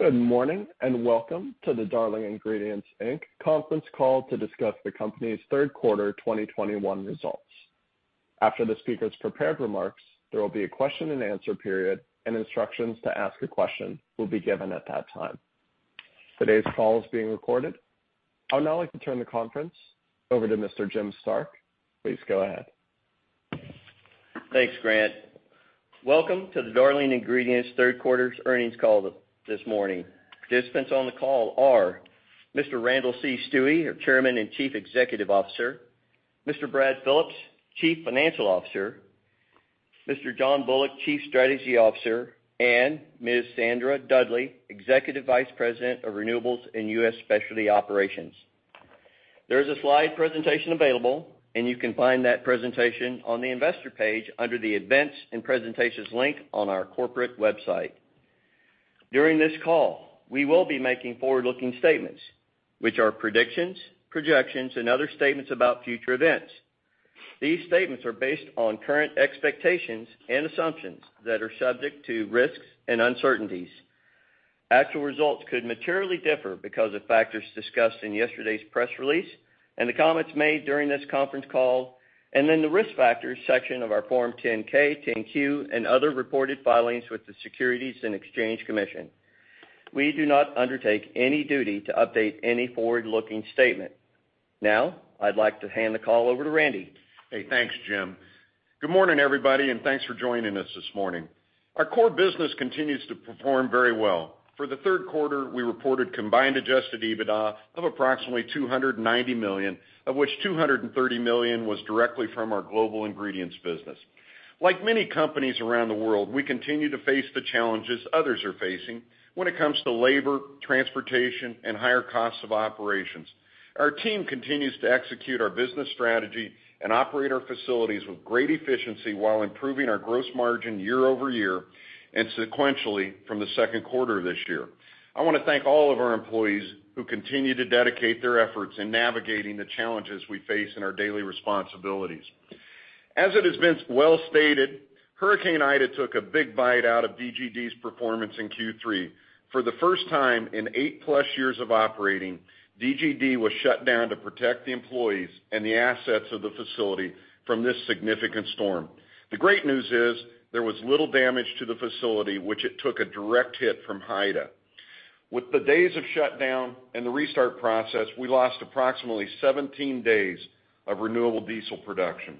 Good morning, and welcome to the Darling Ingredients, Inc. conference call to discuss the company's third quarter 2021 results. After the speakers' prepared remarks, there will be a question-and-answer period, and instructions to ask a question will be given at that time. Today's call is being recorded. I'd now like to turn the conference over to Mr. Jim Stark. Please go ahead. Thanks, Grant. Welcome to the Darling Ingredients third quarter's earnings call this morning. Participants on the call are Mr. Randall C. Stuewe, our Chairman and Chief Executive Officer, Mr. Brad Phillips, Chief Financial Officer, Mr. John Bullock, Chief Strategy Officer, and Ms. Sandra Dudley, Executive Vice President of Renewables and U.S. Specialty Operations. There is a slide presentation available, and you can find that presentation on the investor page under the Events and Presentations link on our corporate website. During this call, we will be making forward-looking statements, which are predictions, projections, and other statements about future events. These statements are based on current expectations and assumptions that are subject to risks and uncertainties. Actual results could materially differ because of factors discussed in yesterday's press release and the comments made during this conference call and in the Risk Factors section of our Form 10-K, Form 10-Q, and other reported filings with the Securities and Exchange Commission. We do not undertake any duty to update any forward-looking statement. Now, I'd like to hand the call over to Randy. Hey, thanks, Jim. Good morning, everybody, and thanks for joining us this morning. Our core business continues to perform very well. For the third quarter, we reported combined adjusted EBITDA of approximately $290 million, of which $230 million was directly from our global ingredients business. Like many companies around the world, we continue to face the challenges others are facing when it comes to labor, transportation, and higher costs of operations. Our team continues to execute our business strategy and operate our facilities with great efficiency while improving our gross margin year-over-year and sequentially from the second quarter of this year. I wanna thank all of our employees who continue to dedicate their efforts in navigating the challenges we face in our daily responsibilities. As it has been well stated, Hurricane Ida took a big bite out of DGD's performance in Q3. For the first time in eight plus years of operating, DGD was shut down to protect the employees and the assets of the facility from this significant storm. The great news is there was little damage to the facility, which took a direct hit from Ida. With the days of shutdown and the restart process, we lost approximately 17 days of renewable diesel production.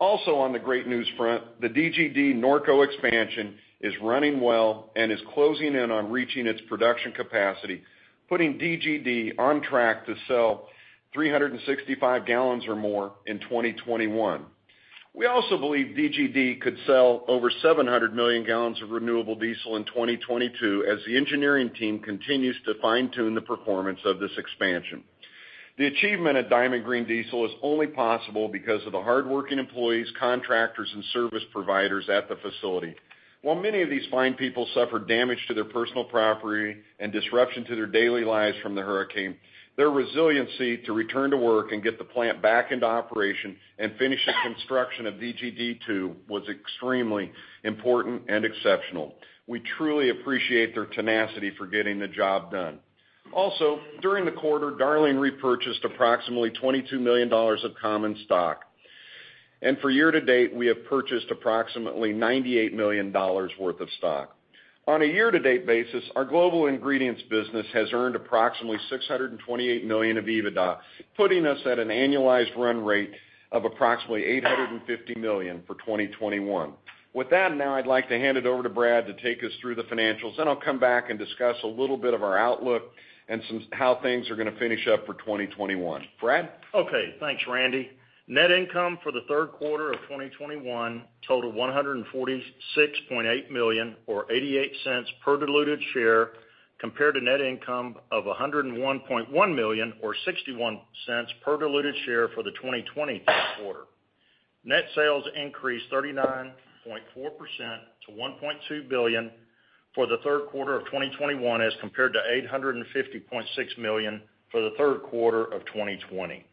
Also, on the great news front, the DGD Norco expansion is running well and is closing in on reaching its production capacity, putting DGD on track to sell 365 million gallons or more in 2021. We also believe DGD could sell over 700 million gallons of renewable diesel in 2022 as the engineering team continues to fine-tune the performance of this expansion. The achievement at Diamond Green Diesel is only possible because of the hardworking employees, contractors, and service providers at the facility. While many of these fine people suffered damage to their personal property and disruption to their daily lives from the hurricane, their resiliency to return to work and get the plant back into operation and finish the construction of DGD two was extremely important and exceptional. We truly appreciate their tenacity for getting the job done. Also, during the quarter, Darling repurchased approximately $22 million of common stock. For year to date, we have purchased approximately $98 million worth of stock. On a year-to-date basis, our global ingredients business has earned approximately 628 million of EBITDA, putting us at an annualized run rate of approximately 850 million for 2021. With that, now I'd like to hand it over to Brad to take us through the financials. Then I'll come back and discuss a little bit of our outlook and some how things are gonna finish up for 2021. Brad? Okay. Thanks, Randy. Net income for the third quarter of 2021 totaled $146.8 million or $0.88 per diluted share compared to net income of $101.1 million or $0.61 per diluted share for the third quarter of 2020. Net sales increased 39.4% to $1.2 billion for the third quarter of 2021 as compared to $850.6 million for the third quarter of 2020.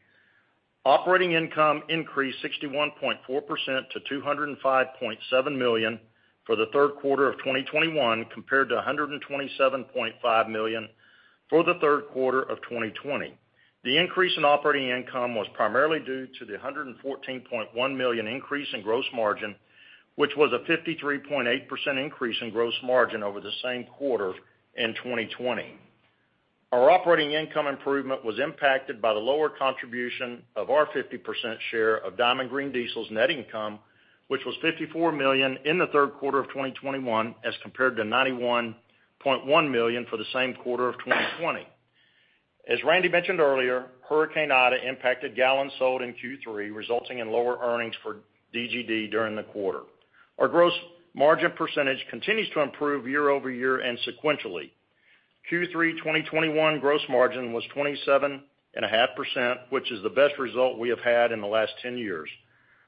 Operating income increased 61.4% to $205.7 million for the third quarter of 2021 compared to $127.5 million for the third quarter of 2020. The increase in operating income was primarily due to the $114.1 million increase in gross margin, which was a 53.8% increase in gross margin over the same quarter in 2020. Our operating income improvement was impacted by the lower contribution of our 50% share of Diamond Green Diesel's net income, which was $54 million in the third quarter of 2021 as compared to $91.1 million for the same quarter of 2020. Randy mentioned earlier, Hurricane Ida impacted gallons sold in Q3, resulting in lower earnings for DGD during the quarter. Our gross margin percentage continues to improve year-over-year and sequentially. Q3 2021 gross margin was 27.5%, which is the best result we have had in the last 10 years.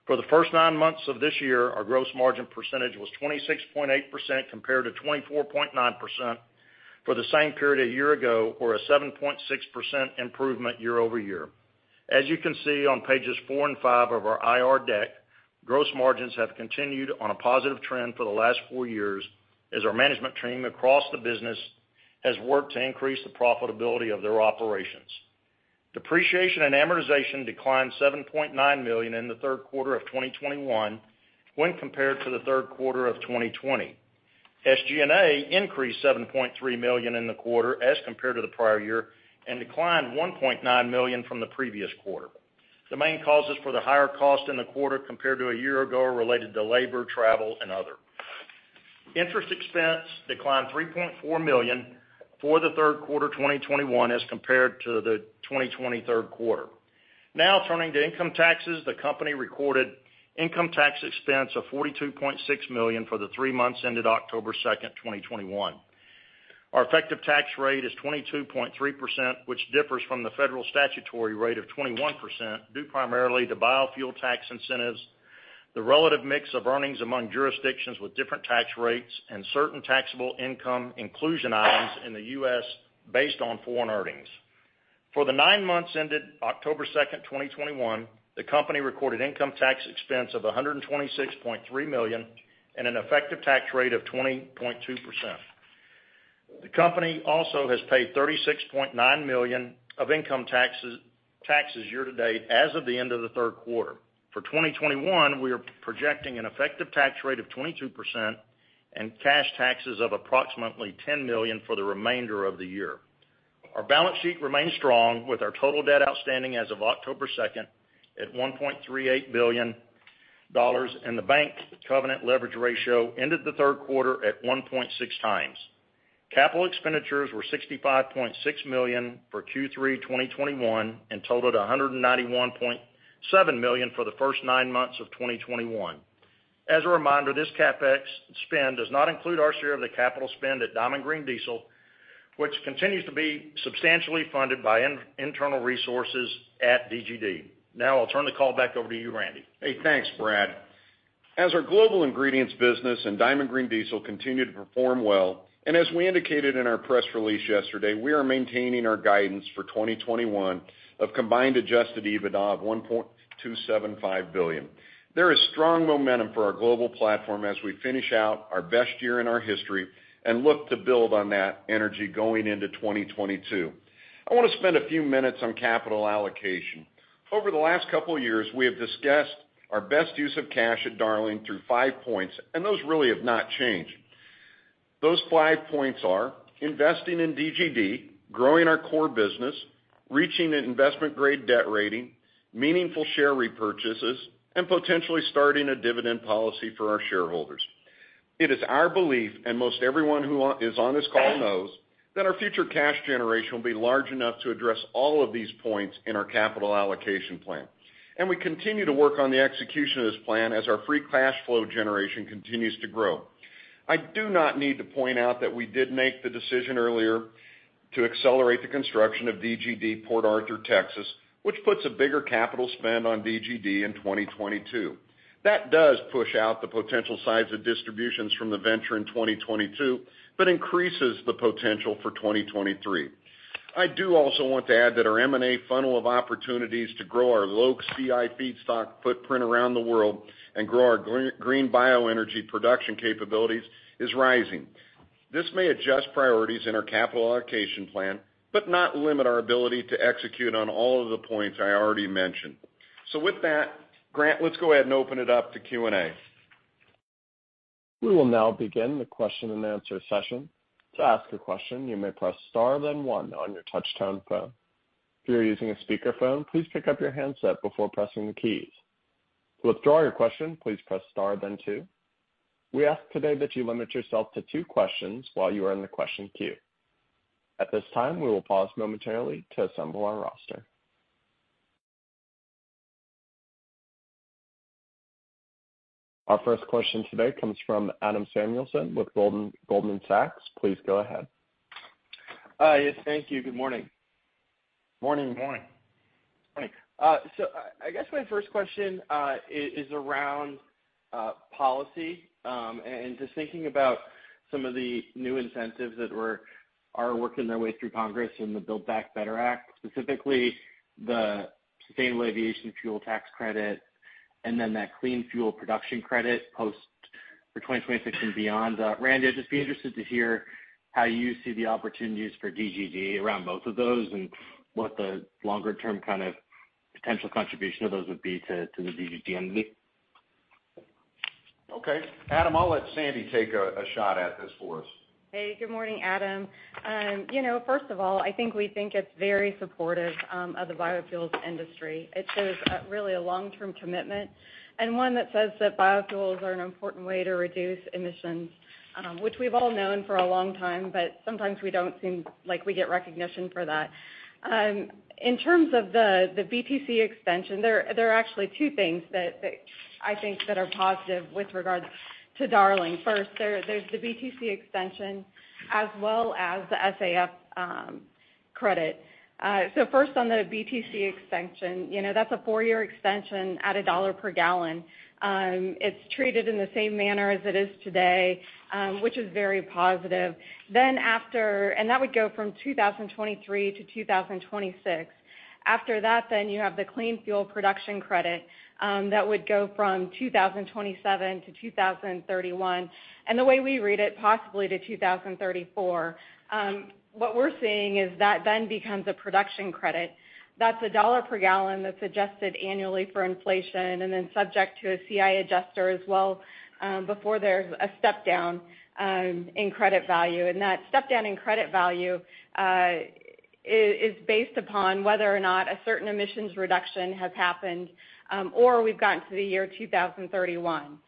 For the first nine months of this year, our gross margin percentage was 26.8% compared to 24.9%. For the same period a year ago or a 7.6% improvement year-over-year. As you can see on pages four and five of our IR deck, gross margins have continued on a positive trend for the last four years as our management team across the business has worked to increase the profitability of their operations. Depreciation and amortization declined $7.9 million in the third quarter of 2021 when compared to the third quarter of 2020. SG&A increased $7.3 million in the quarter as compared to the prior year and declined $1.9 million from the previous quarter. The main causes for the higher cost in the quarter compared to a year ago are related to labor, travel, and other. Interest expense declined $3.4 million for the third quarter 2021 as compared to the 2020 third quarter. Now turning to income taxes. The company recorded income tax expense of $42.6 million for the three months ended October 2nd, 2021. Our effective tax rate is 22.3%, which differs from the federal statutory rate of 21%, due primarily to biofuel tax incentives, the relative mix of earnings among jurisdictions with different tax rates, and certain taxable income inclusion items in the U.S. based on foreign earnings. For the nine months ended October 2nd, 2021, the company recorded income tax expense of $126.3 million and an effective tax rate of 20.2%. The company also has paid $36.9 million of income taxes year-to-date as of the end of the third quarter. For 2021, we are projecting an effective tax rate of 22% and cash taxes of approximately $10 million for the remainder of the year. Our balance sheet remains strong with our total debt outstanding as of October 2nd at $1.38 billion, and the bank covenant leverage ratio ended the third quarter at 1.6 times. Capital expenditures were $65.6 million for Q3 2021 and totaled $191.7 million for the first nine months of 2021. As a reminder, this CapEx spend does not include our share of the capital spend at Diamond Green Diesel, which continues to be substantially funded by internal resources at DGD. Now I'll turn the call back over to you, Randy. Hey, thanks, Brad. As our global ingredients business and Diamond Green Diesel continue to perform well, and as we indicated in our press release yesterday, we are maintaining our guidance for 2021 of combined adjusted EBITDA of $1.275 billion. There is strong momentum for our global platform as we finish out our best year in our history and look to build on that energy going into 2022. I want to spend a few minutes on capital allocation. Over the last couple years, we have discussed our best use of cash at Darling through five points, and those really have not changed. Those five points are investing in DGD, growing our core business, reaching an investment-grade debt rating, meaningful share repurchases, and potentially starting a dividend policy for our shareholders. It is our belief, and most everyone who is on this call knows, that our future cash generation will be large enough to address all of these points in our capital allocation plan, and we continue to work on the execution of this plan as our free cash flow generation continues to grow. I do not need to point out that we did make the decision earlier to accelerate the construction of DGD Port Arthur, Texas, which puts a bigger capital spend on DGD in 2022. That does push out the potential size of distributions from the venture in 2022, but increases the potential for 2023. I do also want to add that our M&A funnel of opportunities to grow our low CI feedstock footprint around the world and grow our green bioenergy production capabilities is rising. This may adjust priorities in our capital allocation plan, but not limit our ability to execute on all of the points I already mentioned. With that, Grant, let's go ahead and open it up to Q&A. We will now begin the question-and-answer session. To ask a question, you may press star, then one on your touchtone phone. If you are using a speakerphone, please pick up your handset before pressing the keys. To withdraw your question, please press star, then two. We ask today that you limit yourself to two questions while you are in the question queue. At this time, we will pause momentarily to assemble our roster. Our first question today comes from Adam Samuelson with Goldman Sachs. Please go ahead. Yes, thank you. Good morning. Morning. Morning. Morning. I guess my first question is around policy, and just thinking about some of the new incentives that are working their way through Congress in the Build Back Better Act, specifically the sustainable aviation fuel tax credit and then that clean fuel production credit post-2026 and beyond. Randy, I'd just be interested to hear how you see the opportunities for DGD around both of those and what the longer-term kind of potential contribution of those would be to the DGD? Okay. Adam, I'll let Sandy take a shot at this for us. Hey, good morning, Adam. You know, first of all, I think we think it's very supportive of the biofuels industry. It shows a really long-term commitment and one that says that biofuels are an important way to reduce emissions, which we've all known for a long time, but sometimes we don't seem like we get recognition for that. In terms of the BTC extension, there are actually two things that I think are positive with regards to Darling. First, there's the BTC extension as well as the SAF credit. So first on the BTC extension, you know, that's a four-year extension at $1 per gallon. It's treated in the same manner as it is today, which is very positive. That would go from 2023 to 2026. After that, you have the Clean Fuel Production Credit that would go from 2027 to 2031, and the way we read it, possibly to 2034. What we're seeing is that then becomes a production credit. That's $1 per gallon that's adjusted annually for inflation and then subject to a CI adjuster as well, before there's a step down in credit value. That step down in credit value is based upon whether or not a certain emissions reduction has happened or we've gotten to the year 2031.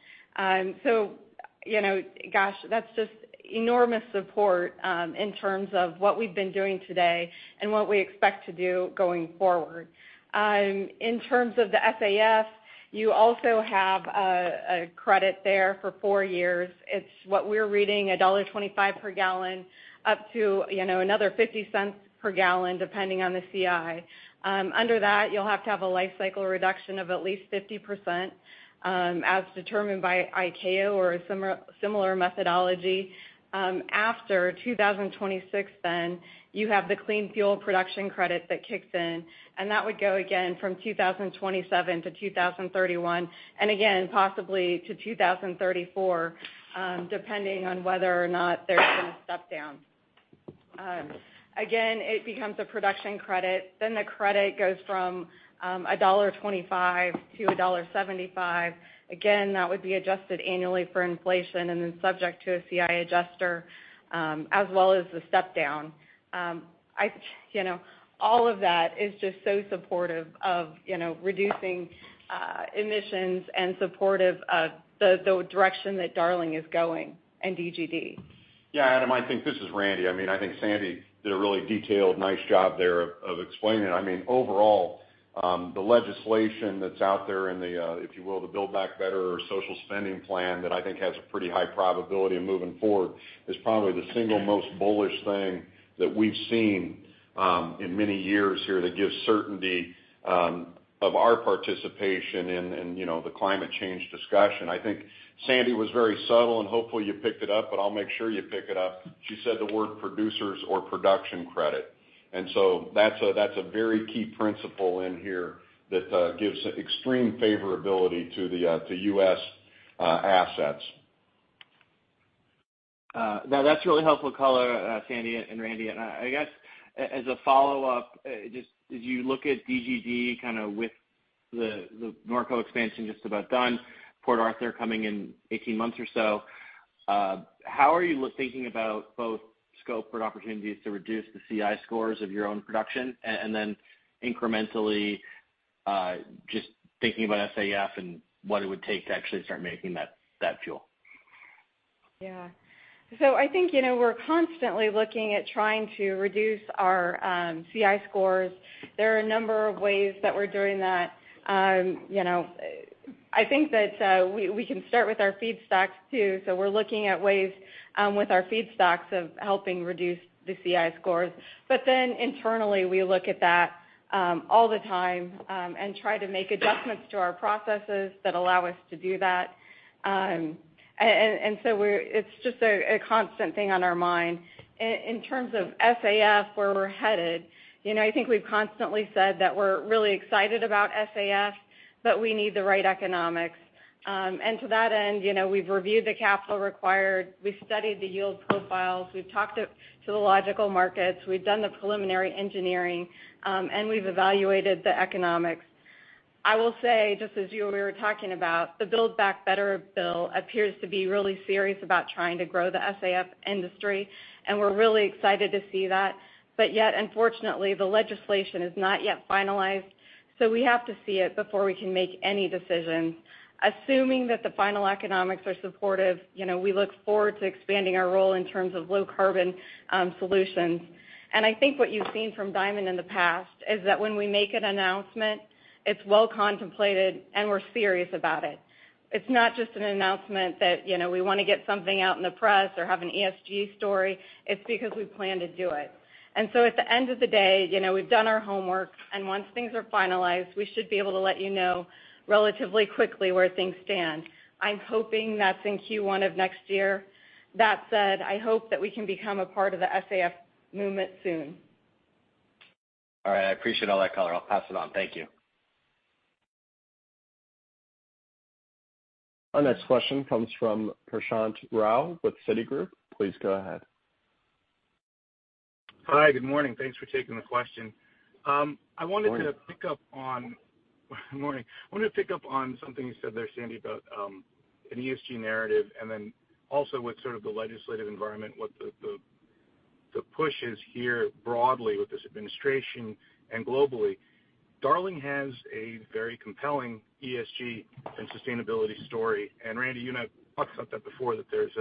You know, gosh, that's just enormous support in terms of what we've been doing today and what we expect to do going forward. In terms of the SAF, you also have a credit there for four years. It's what we're reading $1.25 per gallon up to, you know, another $0.50 per gallon, depending on the CI. Under that, you'll have to have a life cycle reduction of at least 50%, as determined by ICAO or a similar methodology. After 2026, you have the clean fuel production credit that kicks in, and that would go again from 2027 to 2031, and again, possibly to 2034, depending on whether or not there's been a step down. Again, it becomes a production credit. The credit goes from $1.25-$1.75. Again, that would be adjusted annually for inflation and then subject to a CI adjuster, as well as the step down. You know, all of that is just so supportive of reducing emissions and supportive of the direction that Darling is going and DGD. Yeah, Adam, I think this is Randy. I mean, I think Sandy did a really detailed, nice job there of explaining. I mean, overall, the legislation that's out there in the, if you will, the Build Back Better or social spending plan that I think has a pretty high probability of moving forward is probably the single most bullish thing that we've seen in many years here that gives certainty of our participation in, you know, the climate change discussion. I think Sandy was very subtle, and hopefully you picked it up, but I'll make sure you pick it up. She said the word producers or production credit. That's a very key principle in here that gives extreme favorability to the U.S. assets. No, that's really helpful color, Sandy and Randy. I guess as a follow-up, just as you look at DGD kinda with the Norco expansion just about done, Port Arthur coming in 18 months or so, how are you thinking about both scope for opportunities to reduce the CI scores of your own production, and then incrementally, just thinking about SAF and what it would take to actually start making that fuel? Yeah. I think, you know, we're constantly looking at trying to reduce our CI scores. There are a number of ways that we're doing that. You know, I think that we can start with our feedstocks too. We're looking at ways with our feedstocks of helping reduce the CI scores. Internally, we look at that all the time and try to make adjustments to our processes that allow us to do that. It's just a constant thing on our mind. In terms of SAF, where we're headed, you know, I think we've constantly said that we're really excited about SAF, but we need the right economics. To that end, you know, we've reviewed the capital required, we've studied the yield profiles, we've talked to the local markets, we've done the preliminary engineering, and we've evaluated the economics. I will say, just as you were talking about, the Build Back Better bill appears to be really serious about trying to grow the SAF industry, and we're really excited to see that. Yet, unfortunately, the legislation is not yet finalized, so we have to see it before we can make any decision. Assuming that the final economics are supportive, you know, we look forward to expanding our role in terms of low carbon solutions. I think what you've seen from Diamond in the past is that when we make an announcement, it's well contemplated and we're serious about it. It's not just an announcement that, you know, we wanna get something out in the press or have an ESG story. It's because we plan to do it. At the end of the day, you know, we've done our homework, and once things are finalized, we should be able to let you know relatively quickly where things stand. I'm hoping that's in Q1 of next year. That said, I hope that we can become a part of the SAF movement soon. All right. I appreciate all that color. I'll pass it on. Thank you. Our next question comes from Prashant Rao with Citigroup. Please go ahead. Hi, good morning. Thanks for taking the question. I wanted to Good morning. Morning. I wanted to pick up on something you said there, Sandy, about an ESG narrative and then also with sort of the legislative environment, what the push is here broadly with this administration and globally. Darling has a very compelling ESG and sustainability story. Randy, you and I have talked about that before, that there's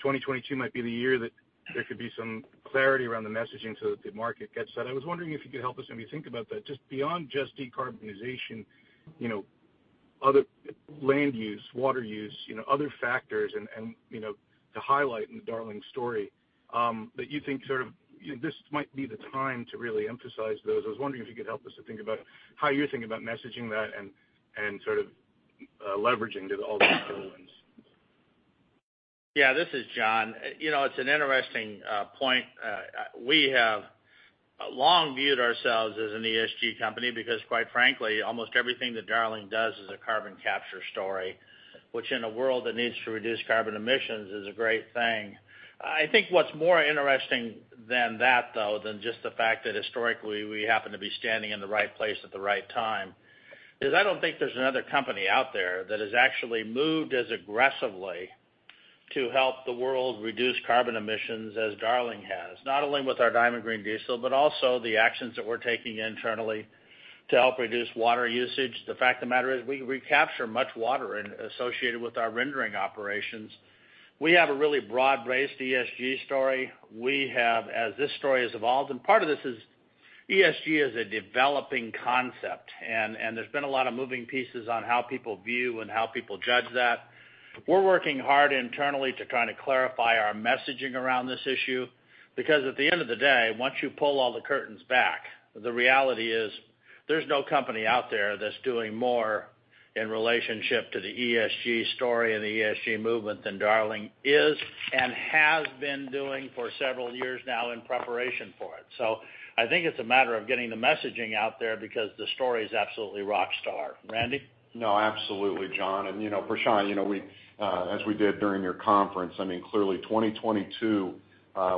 2022 might be the year that there could be some clarity around the messaging so that the market gets that. I was wondering if you could help us maybe think about that, just beyond just decarbonization, you know, other land use, water use, you know, other factors and, you know, to highlight in the Darling story, that you think sort of this might be the time to really emphasize those. I was wondering if you could help us to think about how you're thinking about messaging that and sort of leveraging all those headwinds? Yeah, this is John. You know, it's an interesting point. We have We've long viewed ourselves as an ESG company because quite frankly, almost everything that Darling does is a carbon capture story, which in a world that needs to reduce carbon emissions is a great thing. I think what's more interesting than that though, than just the fact that historically we happen to be standing in the right place at the right time, is I don't think there's another company out there that has actually moved as aggressively to help the world reduce carbon emissions as Darling has. Not only with our Diamond Green Diesel, but also the actions that we're taking internally to help reduce water usage. The fact of the matter is we recapture much water in associated with our rendering operations. We have a really broad-based ESG story. As this story has evolved, and part of this is ESG is a developing concept, and there's been a lot of moving pieces on how people view and how people judge that. We're working hard internally to try to clarify our messaging around this issue. Because at the end of the day, once you pull all the curtains back, the reality is there's no company out there that's doing more in relationship to the ESG story and the ESG movement than Darling is and has been doing for several years now in preparation for it. So I think it's a matter of getting the messaging out there because the story is absolutely rock star. Randy? No, absolutely, John. You know, Prashant, you know, we, as we did during your conference, I mean, clearly 2022,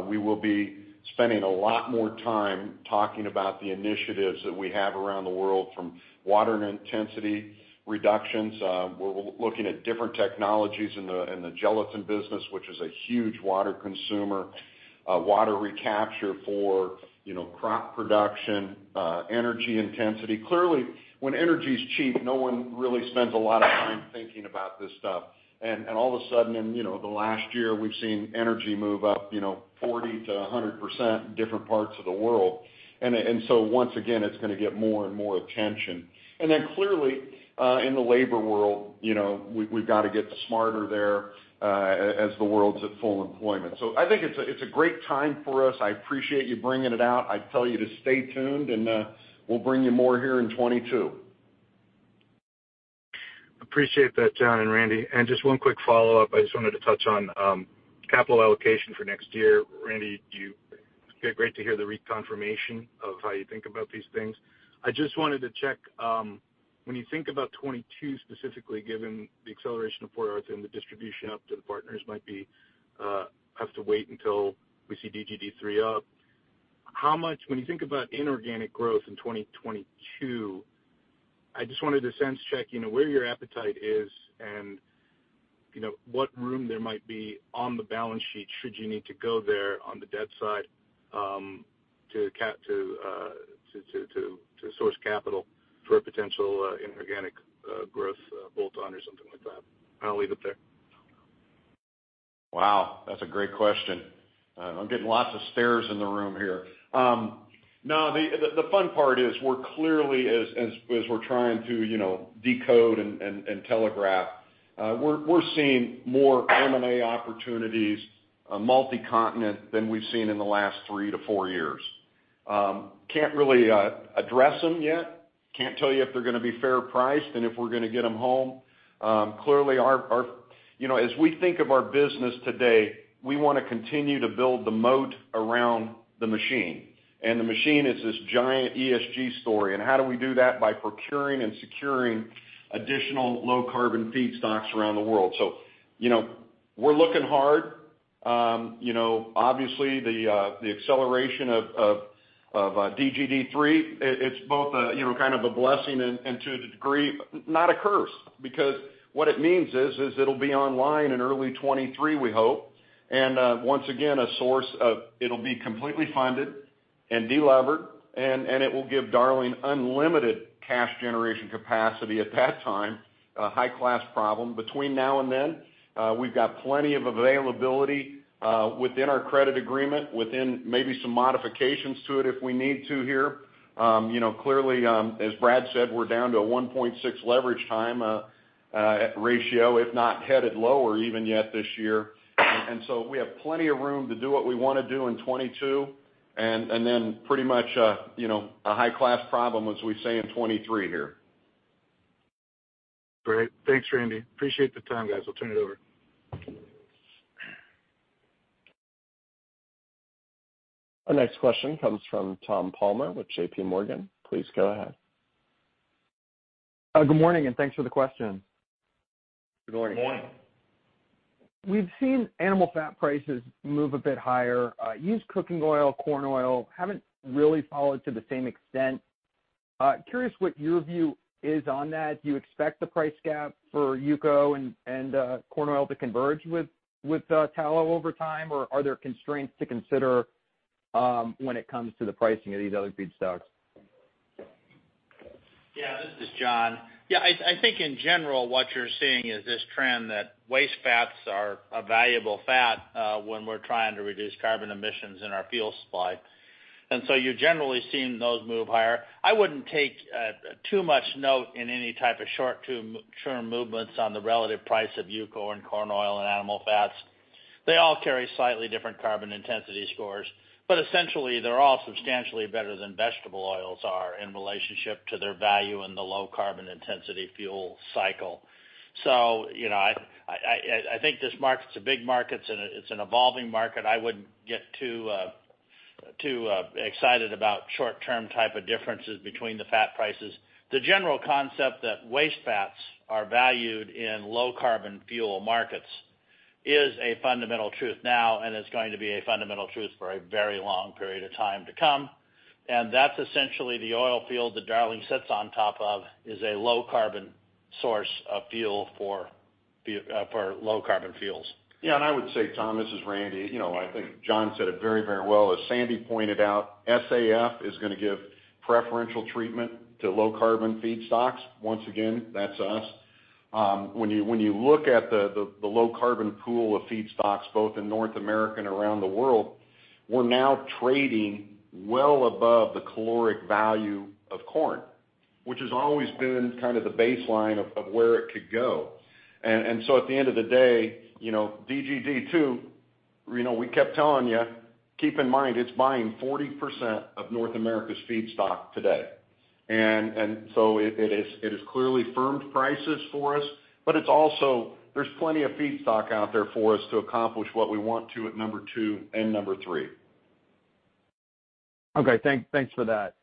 we will be spending a lot more time talking about the initiatives that we have around the world from water intensity reductions, we're looking at different technologies in the gelatin business, which is a huge water consumer, water recapture for, you know, crop production, energy intensity. Clearly, when energy's cheap, no one really spends a lot of time thinking about this stuff. All of a sudden in, you know, the last year, we've seen energy move up, you know, 40%-100% in different parts of the world. So once again, it's gonna get more and more attention. Clearly, in the labor world, you know, we've got to get smarter there, as the world's at full employment. I think it's a great time for us. I appreciate you bringing it out. I'd tell you to stay tuned and we'll bring you more here in 2022. Appreciate that, John and Randy. Just one quick follow-up. I just wanted to touch on capital allocation for next year. Randy, great to hear the reconfirmation of how you think about these things. I just wanted to check when you think about 2022 specifically, given the acceleration of Port Arthur and the distribution up to the partners might have to wait until we see DGD three up. When you think about inorganic growth in 2022, I just wanted to sense check, you know, where your appetite is and, you know, what room there might be on the balance sheet should you need to go there on the debt side to source capital for a potential inorganic growth bolt-on or something like that. I'll leave it there. Wow, that's a great question. I'm getting lots of stares in the room here. No, the fun part is we're clearly as we're trying to, you know, decode and telegraph, we're seeing more M&A opportunities, multi-continent than we've seen in the last three to four years. Can't really address them yet. Can't tell you if they're gonna be fair priced and if we're gonna get them home. Clearly, you know, as we think of our business today, we wanna continue to build the moat around the machine. The machine is this giant ESG story, and how do we do that? By procuring and securing additional low carbon feedstocks around the world. You know, we're looking hard. You know, obviously the acceleration of DGD three, it's both a kind of a blessing and to a degree, not a curse. Because what it means is it'll be online in early 2023, we hope. Once again, it'll be completely funded and delevered, and it will give Darling unlimited cash generation capacity at that time, a high-class problem. Between now and then, we've got plenty of availability within our credit agreement, within maybe some modifications to it if we need to here. You know, clearly, as Brad said, we're down to a 1.6x leverage ratio, if not headed lower even yet this year. So we have plenty of room to do what we wanna do in 2022. Pretty much, you know, a high-class problem, as we say, in 2023 here. Great. Thanks, Randy. Appreciate the time, guys. I'll turn it over. Our next question comes from Tom Palmer with JPMorgan. Please go ahead. Good morning, and thanks for the question. Good morning. Morning. We've seen animal fat prices move a bit higher. Used cooking oil, corn oil haven't really followed to the same extent. Curious what your view is on that. Do you expect the price gap for UCO and corn oil to converge with tallow over time? Or are there constraints to consider when it comes to the pricing of these other feedstocks? Yeah. This is John. Yeah, I think in general, what you're seeing is this trend that waste fats are a valuable fat, when we're trying to reduce carbon emissions in our fuel supply. You're generally seeing those move higher. I wouldn't take too much note in any type of short-term movements on the relative price of UCO and corn oil and animal fats. They all carry slightly different carbon intensity scores. Essentially, they're all substantially better than vegetable oils are in relationship to their value in the low carbon intensity fuel cycle. You know, I think this market's a big market and it's an evolving market. I wouldn't get too Don't get too excited about short-term type of differences between the fat prices. The general concept that waste fats are valued in low carbon fuel markets is a fundamental truth now, and it's going to be a fundamental truth for a very long period of time to come. That's essentially the oil field that Darling sits on top of, is a low carbon source of fuel for low carbon fuels. Yeah. I would say, Tom, this is Randy. You know, I think John said it very, very well. As Sandy pointed out, SAF is gonna give preferential treatment to low carbon feedstocks. Once again, that's us. When you look at the low carbon pool of feedstocks, both in North America and around the world, we're now trading well above the caloric value of corn, which has always been kind of the baseline of where it could go. At the end of the day, you know, DGD 2, you know, we kept telling you, keep in mind, it's buying 40% of North America's feedstock today. It has clearly firmed prices for us, but it's also, there's plenty of feedstock out there for us to accomplish what we want to at number two and number three. Okay. Thanks for that.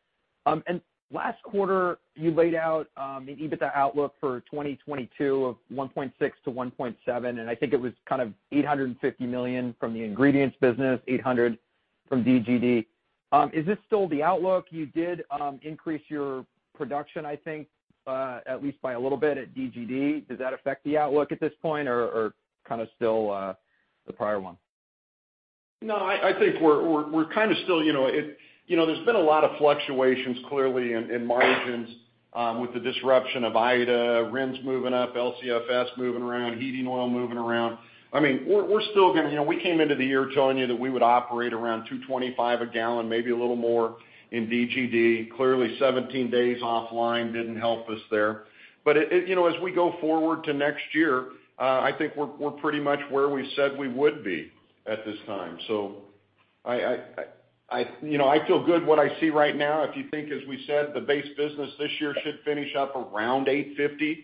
Last quarter, you laid out the EBITDA outlook for 2022 of $1.6 billion-$1.7 billion, and I think it was kind of $850 million from the ingredients business, $800 million from DGD. Is this still the outlook? You did increase your production, I think, at least by a little bit at DGD. Does that affect the outlook at this point or kinda still the prior one? No, I think we're kinda still. You know, there's been a lot of fluctuations clearly in margins with the disruption of Ida, RINs moving up, LCFS moving around, heating oil moving around. I mean, we're still gonna, you know, we came into the year telling you that we would operate around $2.25 a gallon, maybe a little more in DGD. Clearly, 17 days offline didn't help us there. You know, as we go forward to next year, I think we're pretty much where we said we would be at this time. I, you know, I feel good about what I see right now. If you think, as we said, the base business this year should finish up around $8.50,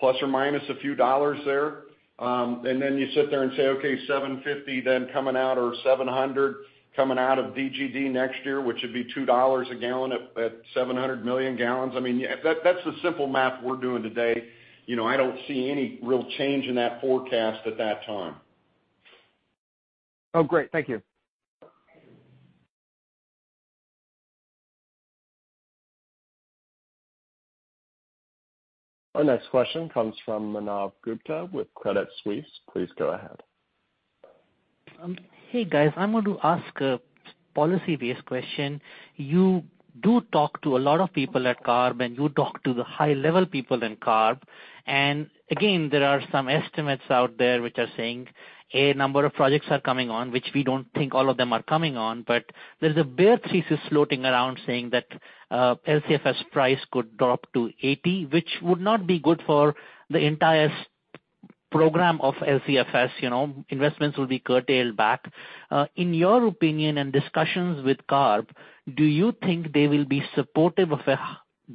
plus or minus a few dollars there. You sit there and say, okay, 750 then coming out or 700 coming out of DGD next year, which would be $2 a gallon at 700 million gallons. I mean, that's the simple math we're doing today. You know, I don't see any real change in that forecast at that time. Oh, great. Thank you. Our next question comes from Manav Gupta with Credit Suisse. Please go ahead. Hey, guys. I'm going to ask a policy-based question. You do talk to a lot of people at CARB, and you talk to the high-level people in CARB. Again, there are some estimates out there which are saying a number of projects are coming on, which we don't think all of them are coming on. There's a bear thesis floating around saying that LCFS price could drop to $80, which would not be good for the entire program of LCFS. You know, investments will be curtailed back. In your opinion and discussions with CARB, do you think they will be supportive of a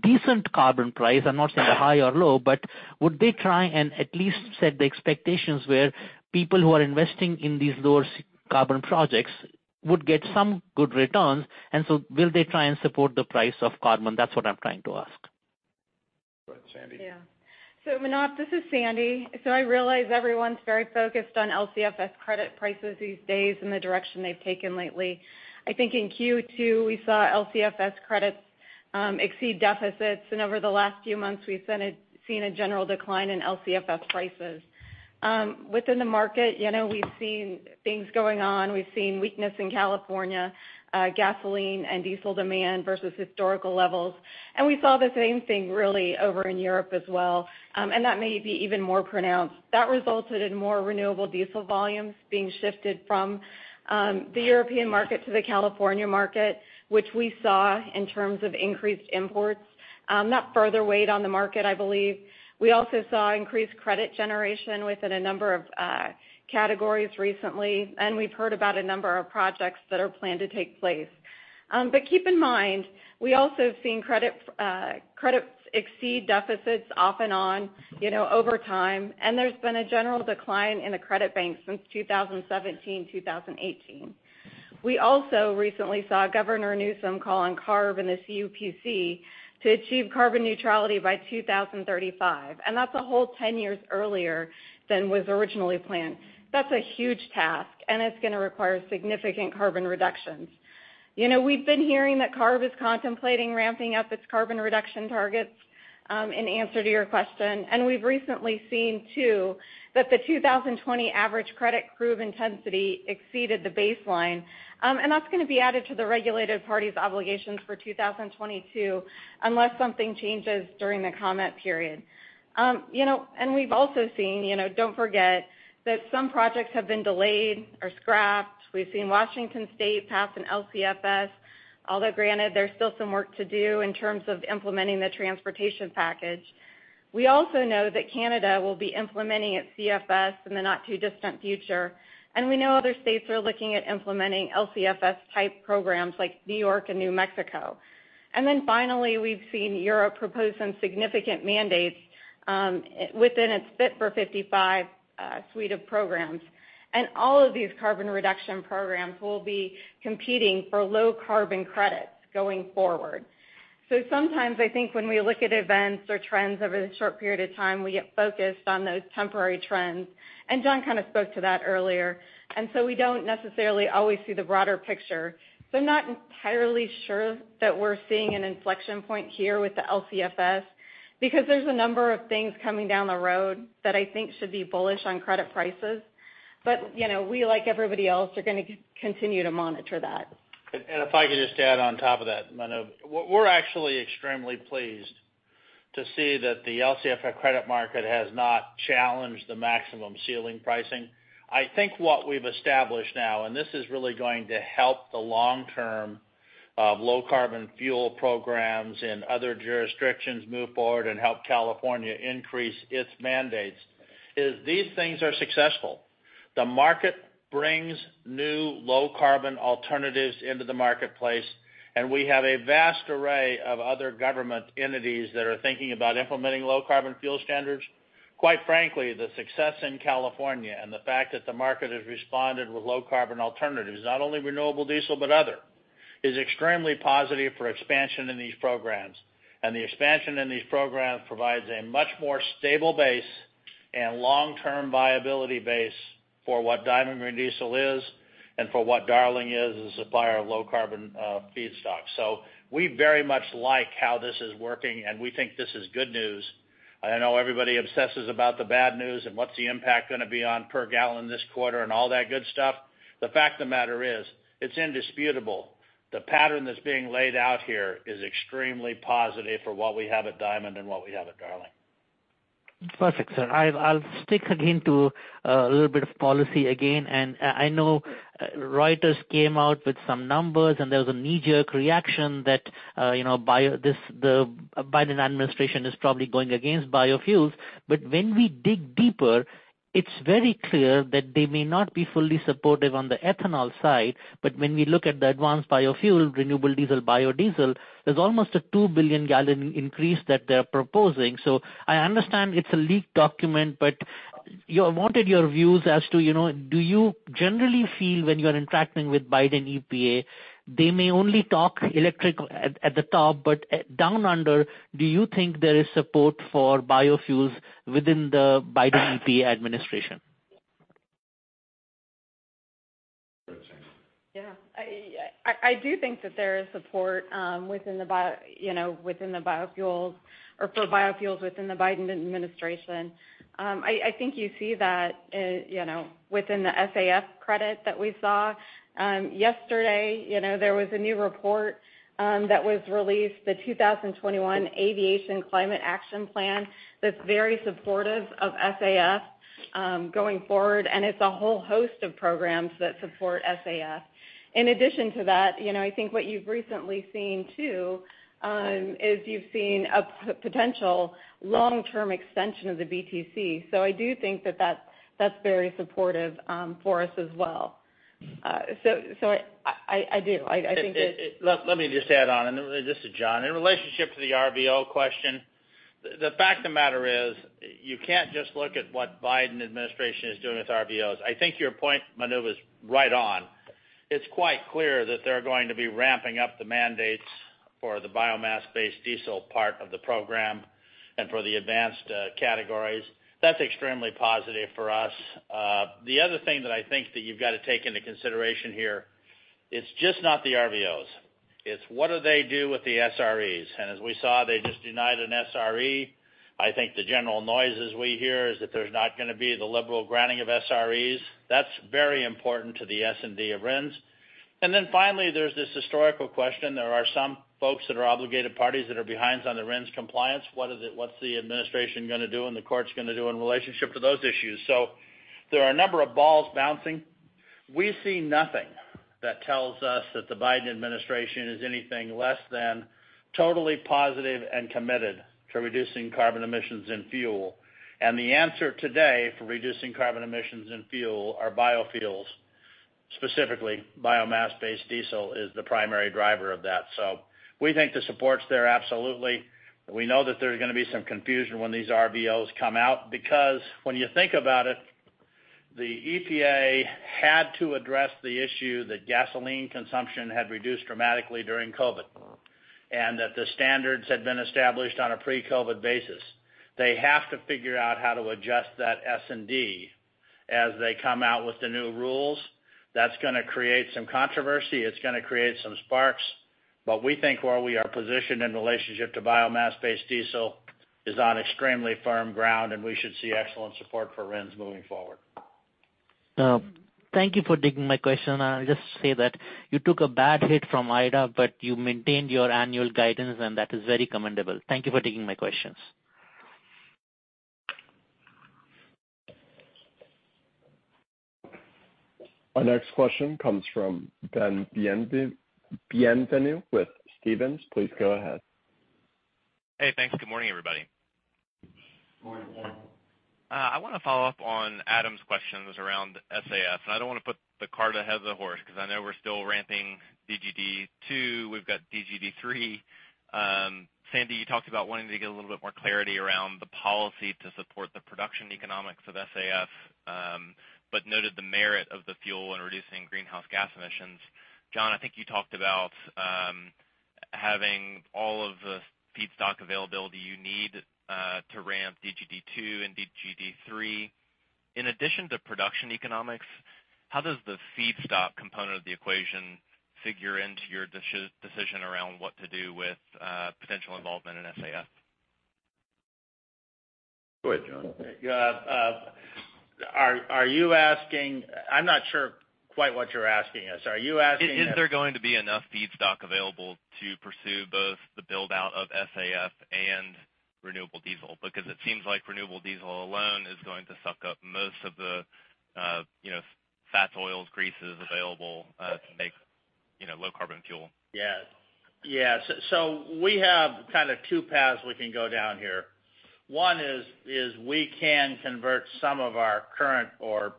decent carbon price? I'm not saying a high or low, but would they try and at least set the expectations where people who are investing in these lower carbon projects would get some good returns? Will they try and support the price of carbon? That's what I'm trying to ask. Go ahead, Sandy. Yeah. Manav, this is Sandy. I realize everyone's very focused on LCFS credit prices these days and the direction they've taken lately. I think in Q2, we saw LCFS credits exceed deficits, and over the last few months, we've seen a general decline in LCFS prices. Within the market, you know, we've seen things going on. We've seen weakness in California gasoline and diesel demand versus historical levels. We saw the same thing really over in Europe as well, and that may be even more pronounced. That resulted in more renewable diesel volumes being shifted from the European market to the California market, which we saw in terms of increased imports. That further weighed on the market, I believe. We also saw increased credit generation within a number of categories recently, and we've heard about a number of projects that are planned to take place. Keep in mind, we also have seen credits exceed deficits off and on, you know, over time, and there's been a general decline in the credit banks since 2017, 2018. We also recently saw Governor Newsom call on CARB and the CPUC to achieve carbon neutrality by 2035, and that's a whole 10 years earlier than was originally planned. That's a huge task, and it's gonna require significant carbon reductions. You know, we've been hearing that CARB is contemplating ramping up its carbon reduction targets in answer to your question. We've recently seen too that the 2020 average CI exceeded the baseline. That's gonna be added to the regulated parties obligations for 2022 unless something changes during the comment period. You know, we've also seen, you know, don't forget that some projects have been delayed or scrapped. We've seen Washington State pass an LCFS, although granted, there's still some work to do in terms of implementing the transportation package. We also know that Canada will be implementing its CFS in the not-too-distant future, and we know other states are looking at implementing LCFS-type programs like New York and New Mexico. We've seen Europe propose some significant mandates within its fit for 55 suite of programs. All of these carbon reduction programs will be competing for low carbon credits going forward. Sometimes I think when we look at events or trends over the short period of time, we get focused on those temporary trends, and John kind of spoke to that earlier. We don't necessarily always see the broader picture. I'm not entirely sure that we're seeing an inflection point here with the LCFS because there's a number of things coming down the road that I think should be bullish on credit prices. You know, we, like everybody else, are gonna continue to monitor that. If I could just add on top of that, Manu. We're actually extremely pleased to see that the LCFS credit market has not challenged the maximum ceiling pricing. I think what we've established now, and this is really going to help the long-term low carbon fuel programs in other jurisdictions move forward and help California increase its mandates, is these things are successful. The market brings new low carbon alternatives into the marketplace, and we have a vast array of other government entities that are thinking about implementing low carbon fuel standards. Quite frankly, the success in California and the fact that the market has responded with low carbon alternatives, not only renewable diesel, but other, is extremely positive for expansion in these programs. The expansion in these programs provides a much more stable base and long-term viability base for what Diamond Green Diesel is and for what Darling is as a supplier of low-carbon feedstock. We very much like how this is working, and we think this is good news. I know everybody obsesses about the bad news and what's the impact gonna be on per gallon this quarter and all that good stuff. The fact of the matter is, it's indisputable. The pattern that's being laid out here is extremely positive for what we have at Diamond and what we have at Darling. Perfect, sir. I'll stick again to a little bit of policy again, and I know Reuters came out with some numbers, and there was a knee-jerk reaction that you know this, the Biden administration is probably going against biofuels. When we dig deeper, it's very clear that they may not be fully supportive on the ethanol side. When we look at the advanced biofuel, renewable diesel, biodiesel, there's almost a two billion gallon increase that they're proposing. I understand it's a leaked document, but I wanted your views as to you know, do you generally feel when you're interacting with Biden EPA, they may only talk electric at the top, but down under, do you think there is support for biofuels within the Biden EPA administration? Yeah. I do think that there is support within the biofuels or for biofuels within the Biden administration. I think you see that, you know, within the SAF credit that we saw. Yesterday, you know, there was a new report that was released, the 2021 Aviation Climate Action Plan, that's very supportive of SAF going forward, and it's a whole host of programs that support SAF. In addition to that, you know, I think what you've recently seen too is you've seen a potential long-term extension of the BTC. I do think that that's very supportive for us as well. I do. I think that- Let me just add on, and this is John. In relationship to the RVO question, the fact of the matter is, you can't just look at what Biden administration is doing with RVOs. I think your point, Manu, is right on. It's quite clear that they're going to be ramping up the mandates for the biomass-based diesel part of the program and for the advanced categories. That's extremely positive for us. The other thing that I think that you've got to take into consideration here, it's just not the RVOs. It's what do they do with the SREs. As we saw, they just denied an SRE. I think the general noises we hear is that there's not gonna be the liberal granting of SREs. That's very important to the S&D of RINs. Then finally, there's this historical question. There are some folks that are obligated parties that are behind on the RINs compliance. What's the administration gonna do and the courts gonna do in relationship to those issues? There are a number of balls bouncing. We see nothing that tells us that the Biden administration is anything less than totally positive and committed to reducing carbon emissions in fuel. The answer today for reducing carbon emissions in fuel are biofuels, specifically biomass-based diesel is the primary driver of that. We think the support's there, absolutely. We know that there's gonna be some confusion when these RVOs come out, because when you think about it, the EPA had to address the issue that gasoline consumption had reduced dramatically during COVID, and that the standards had been established on a pre-COVID basis. They have to figure out how to adjust that S&D as they come out with the new rules. That's gonna create some controversy. It's gonna create some sparks. We think where we are positioned in relationship to biomass-based diesel is on extremely firm ground, and we should see excellent support for RINs moving forward. Thank you for taking my question. I'll just say that you took a bad hit from Ida, but you maintained your annual guidance, and that is very commendable. Thank you for taking my questions. Our next question comes from Ben Bienvenu with Stephens. Please go ahead. Hey, thanks. Good morning, everybody. Good morning. I wanna follow up on Adam's questions around SAF, and I don't wanna put the cart ahead of the horse because I know we're still ramping DGD two, we've got DGD three. Sandy, you talked about wanting to get a little bit more clarity around the policy to support the production economics of SAF, but noted the merit of the fuel when reducing greenhouse gas emissions. John, I think you talked about having all of the feedstock availability you need to ramp DGD two and DGD three. In addition to production economics, how does the feedstock component of the equation figure into your decision around what to do with potential involvement in SAF? Go ahead, John. Yeah, I'm not sure quite what you're asking us. Are you asking? Is there going to be enough feedstock available to pursue both the build-out of SAF and renewable diesel? Because it seems like renewable diesel alone is going to suck up most of the, you know, fats, oils, greases available, to make, you know, low carbon fuel. We have kind of two paths we can go down here. One is we can convert some of our current or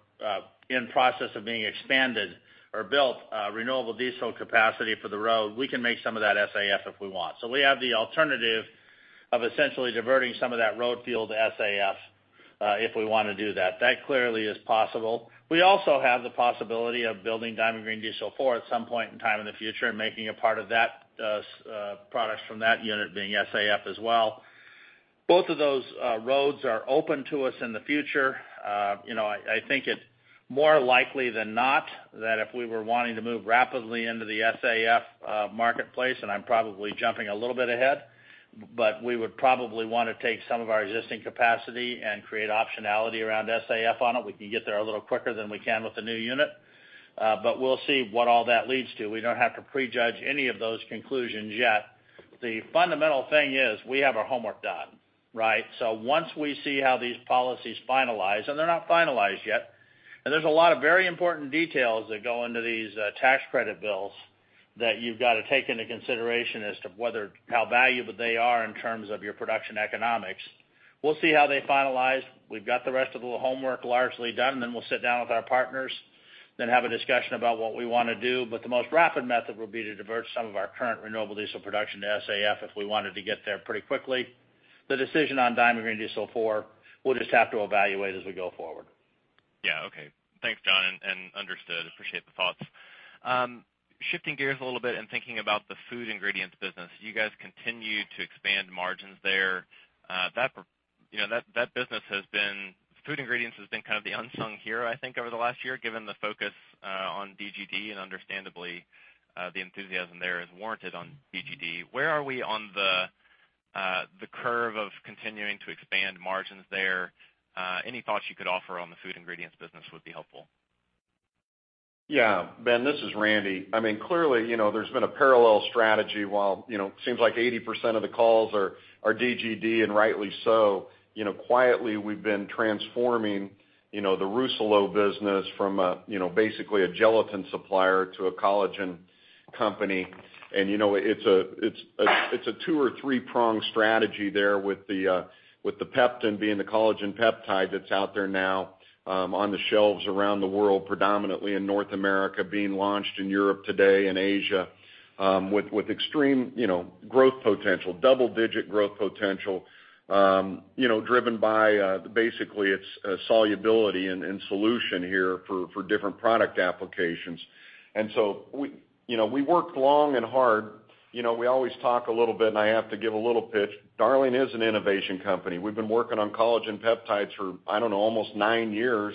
in process of being expanded or built renewable diesel capacity for the road. We can make some of that SAF if we want. We have the alternative of essentially diverting some of that road fuel to SAF if we wanna do that. That clearly is possible. We also have the possibility of building Diamond Green Diesel four at some point in time in the future and making a part of that products from that unit being SAF as well. Both of those roads are open to us in the future. You know, I think it's more likely than not that if we were wanting to move rapidly into the SAF marketplace, and I'm probably jumping a little bit ahead, but we would probably wanna take some of our existing capacity and create optionality around SAF on it. We can get there a little quicker than we can with the new unit. We'll see what all that leads to. We don't have to prejudge any of those conclusions yet. The fundamental thing is we have our homework done, right? Once we see how these policies finalize, and they're not finalized yet, and there's a lot of very important details that go into these tax credit bills that you've got to take into consideration as to whether how valuable they are in terms of your production economics. We'll see how they finalize. We've got the rest of the homework largely done, then we'll sit down with our partners, then have a discussion about what we wanna do. The most rapid method would be to divert some of our current renewable diesel production to SAF if we wanted to get there pretty quickly. The decision on Diamond Green Diesel four, we'll just have to evaluate as we go forward. Yeah. Okay. Thanks, John, and understood. Appreciate the thoughts. Shifting gears a little bit and thinking about the Food Ingredients business. You guys continue to expand margins there. That, you know, that business, Food Ingredients, has been kind of the unsung hero, I think, over the last year, given the focus on DGD, and understandably, the enthusiasm there is warranted on DGD. Where are we on the curve of continuing to expand margins there? Any thoughts you could offer on the Food Ingredients business would be helpful. Yeah, Ben, this is Randy. I mean, clearly, you know, there's been a parallel strategy while, you know, it seems like 80% of the calls are DGD, and rightly so. You know, quietly, we've been transforming, you know, the Rousselot business from a, you know, basically a gelatin supplier to a collagen company. You know, it's a two or three-prong strategy there with the Peptan being the collagen peptide that's out there now on the shelves around the world, predominantly in North America, being launched in Europe today and Asia with extreme, you know, growth potential, double-digit growth potential, you know, driven by basically its solubility and solution here for different product applications. We, you know, worked long and hard. You know, we always talk a little bit, and I have to give a little pitch. Darling is an innovation company. We've been working on collagen peptides for, I don't know, almost nine years,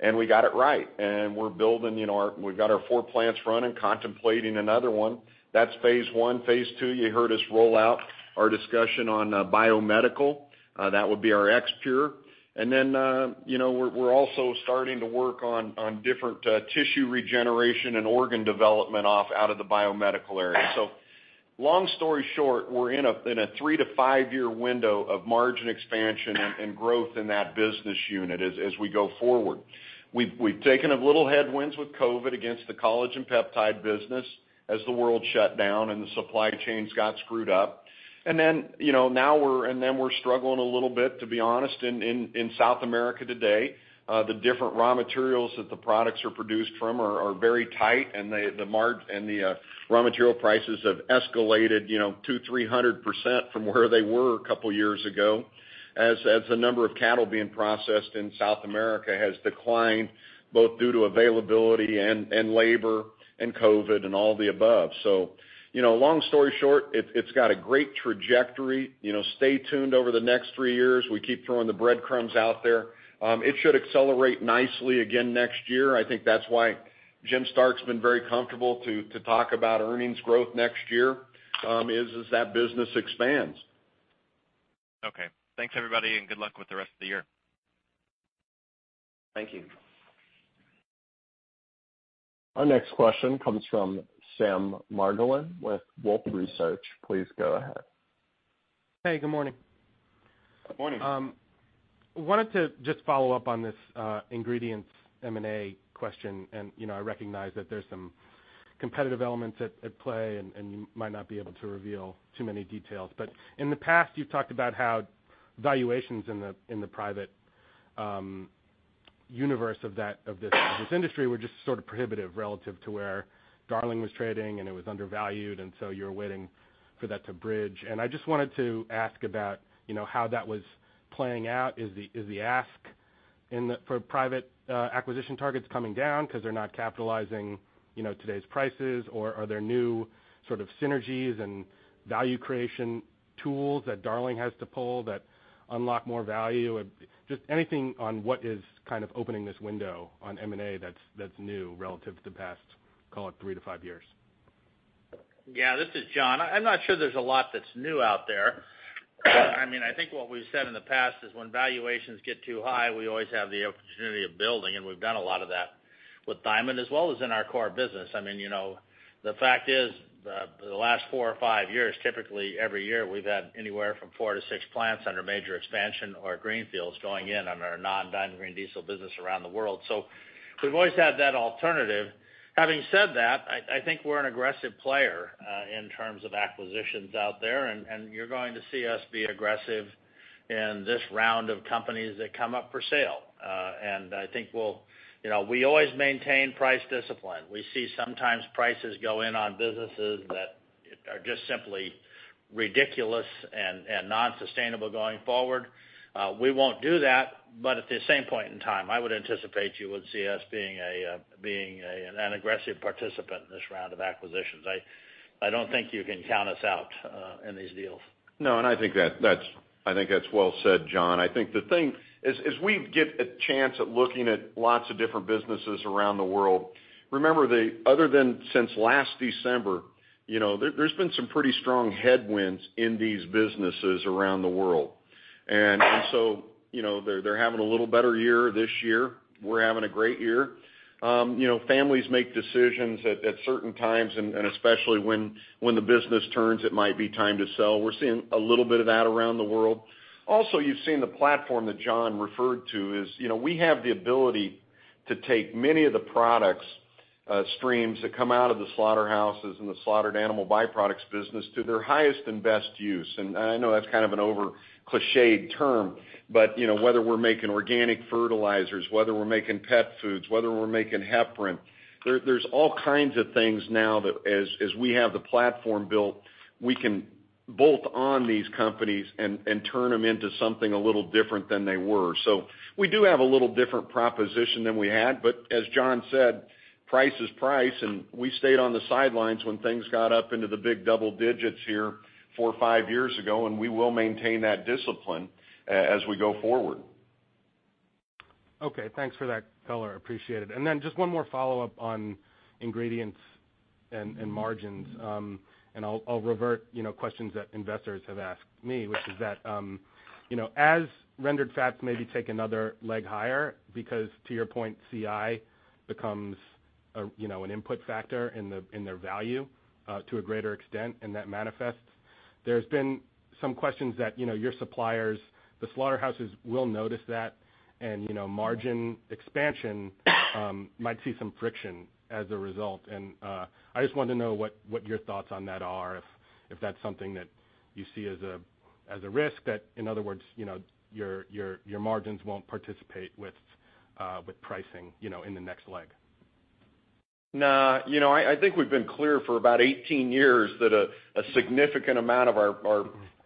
and we got it right. We've got our four plants running, contemplating another one. That's phase I. Phase II, you heard us roll out our discussion on biomedical. That would be our X-Pure. Then, you know, we're also starting to work on different tissue regeneration and organ development out of the biomedical area. Long story short, we're in a three to five-year window of margin expansion and growth in that business unit as we go forward. We've taken a little headwinds with COVID against the collagen peptide business as the world shut down and the supply chains got screwed up. You know, now we're struggling a little bit, to be honest, in South America today. The different raw materials that the products are produced from are very tight, and the raw material prices have escalated, you know, 200%-300% from where they were a couple years ago as the number of cattle being processed in South America has declined, both due to availability and labor and COVID and all the above. You know, long story short, it's got a great trajectory. You know, stay tuned over the next three years. We keep throwing the breadcrumbs out there. It should accelerate nicely again next year. I think that's why Jim Stark has been very comfortable to talk about earnings growth next year, that business expands. Okay. Thanks, everybody, and good luck with the rest of the year. Thank you. Our next question comes from Sam Margolin with Wolfe Research. Please go ahead. Hey, good morning. Good morning. Wanted to just follow up on this ingredients M&A question. You know, I recognize that there's some competitive elements at play and you might not be able to reveal too many details. In the past, you've talked about how valuations in the private universe of this industry were just sort of prohibitive relative to where Darling was trading, and it was undervalued, and so you're waiting for that to bridge. I just wanted to ask about, you know, how that was playing out. Is the ask for private acquisition targets coming down because they're not capitalizing, you know, today's prices? Or are there new sort of synergies and value creation tools that Darling has to pull that unlock more value? Just anything on what is kind of opening this window on M&A that's new relative to the past, call it three to five years? Yeah, this is John. I'm not sure there's a lot that's new out there. I mean, I think what we've said in the past is when valuations get too high, we always have the opportunity of building, and we've done a lot of that with Diamond as well as in our core business. I mean, you know, the fact is, the last four or five years, typically every year, we've had anywhere from four to six plants under major expansion or greenfields going in on our non-diamond green diesel business around the world. We've always had that alternative. Having said that, I think we're an aggressive player in terms of acquisitions out there, and you're going to see us be aggressive in this round of companies that come up for sale. I think we'll, you know, we always maintain price discipline. We see sometimes prices go in on businesses that are just simply ridiculous and non-sustainable going forward. We won't do that. At the same point in time, I would anticipate you would see us being an aggressive participant in this round of acquisitions. I don't think you can count us out in these deals. No, I think that's well said, John. I think the thing is we get a chance at looking at lots of different businesses around the world. Remember, other than since last December, you know, there's been some pretty strong headwinds in these businesses around the world. You know, they're having a little better year this year. We're having a great year. You know, families make decisions at certain times and especially when the business turns it might be time to sell. We're seeing a little bit of that around the world. Also, you've seen the platform that John referred to is, you know, we have the ability to take many of the products, streams that come out of the slaughterhouses and the slaughtered animal byproducts business to their highest and best use. I know that's kind of an over-clichéd term, but you know, whether we're making organic fertilizers, whether we're making pet foods, whether we're making heparin, there's all kinds of things now that as we have the platform built, we can bolt on these companies and turn them into something a little different than they were. We do have a little different proposition than we had. As John said, price is price, and we stayed on the sidelines when things got up into the big double digits here four or five years ago, and we will maintain that discipline as we go forward. Okay. Thanks for that color. Appreciate it. Just one more follow-up on ingredients and margins. I'll revert questions that investors have asked me, which is that, you know, as rendered fats maybe take another leg higher because, to your point, CI becomes a, you know, an input factor in the, in their value, to a greater extent, and that manifests. There's been some questions that, you know, your suppliers, the slaughterhouses will notice that and, you know, margin expansion might see some friction as a result. I just wanted to know what your thoughts on that are if that's something that you see as a risk that, in other words, you know, your margins won't participate with pricing, you know, in the next leg. No. You know, I think we've been clear for about 18 years that a significant amount of our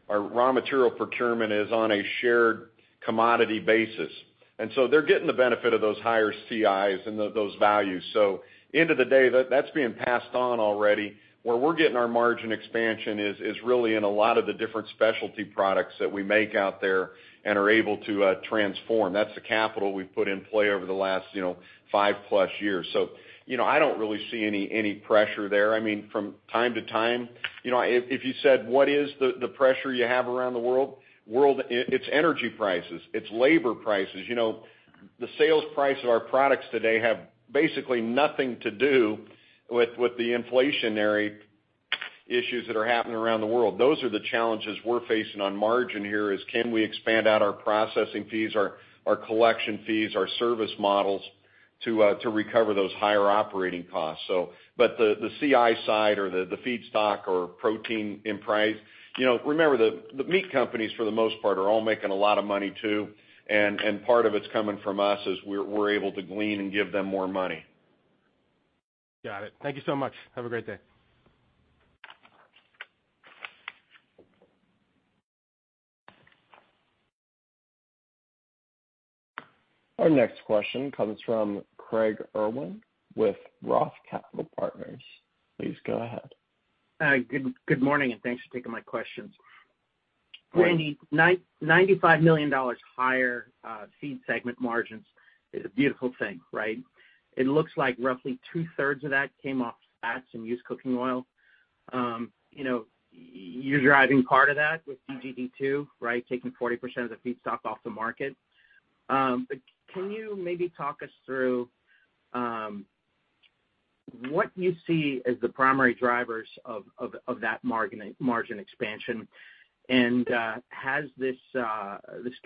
raw material procurement is on a shared commodity basis. They're getting the benefit of those higher CIs and those values. End of the day, that's being passed on already. Where we're getting our margin expansion is really in a lot of the different specialty products that we make out there and are able to transform. That's the capital we've put in play over the last, you know, five plus years. You know, I don't really see any pressure there. I mean, from time to time, you know, if you said what is the pressure you have around the world, it's energy prices. It's labor prices. You know, the sales price of our products today have basically nothing to do with the inflationary issues that are happening around the world. Those are the challenges we're facing on margin here is can we expand out our processing fees, our collection fees, our service models to recover those higher operating costs. The CI side or the feedstock or protein in price, you know, remember, the meat companies for the most part are all making a lot of money too. Part of it's coming from us as we're able to glean and give them more money. Got it. Thank you so much. Have a great day. Our next question comes from Craig Irwin with Roth Capital Partners. Please go ahead. Good morning, and thanks for taking my questions. Randy, $95 million higher Feed segment margins is a beautiful thing, right? It looks like roughly two-thirds of that came off fats and used cooking oil. You know, you're driving part of that with DGD two, right? Taking 40% of the feedstock off the market. Can you maybe talk us through what do you see as the primary drivers of that margin expansion? Has this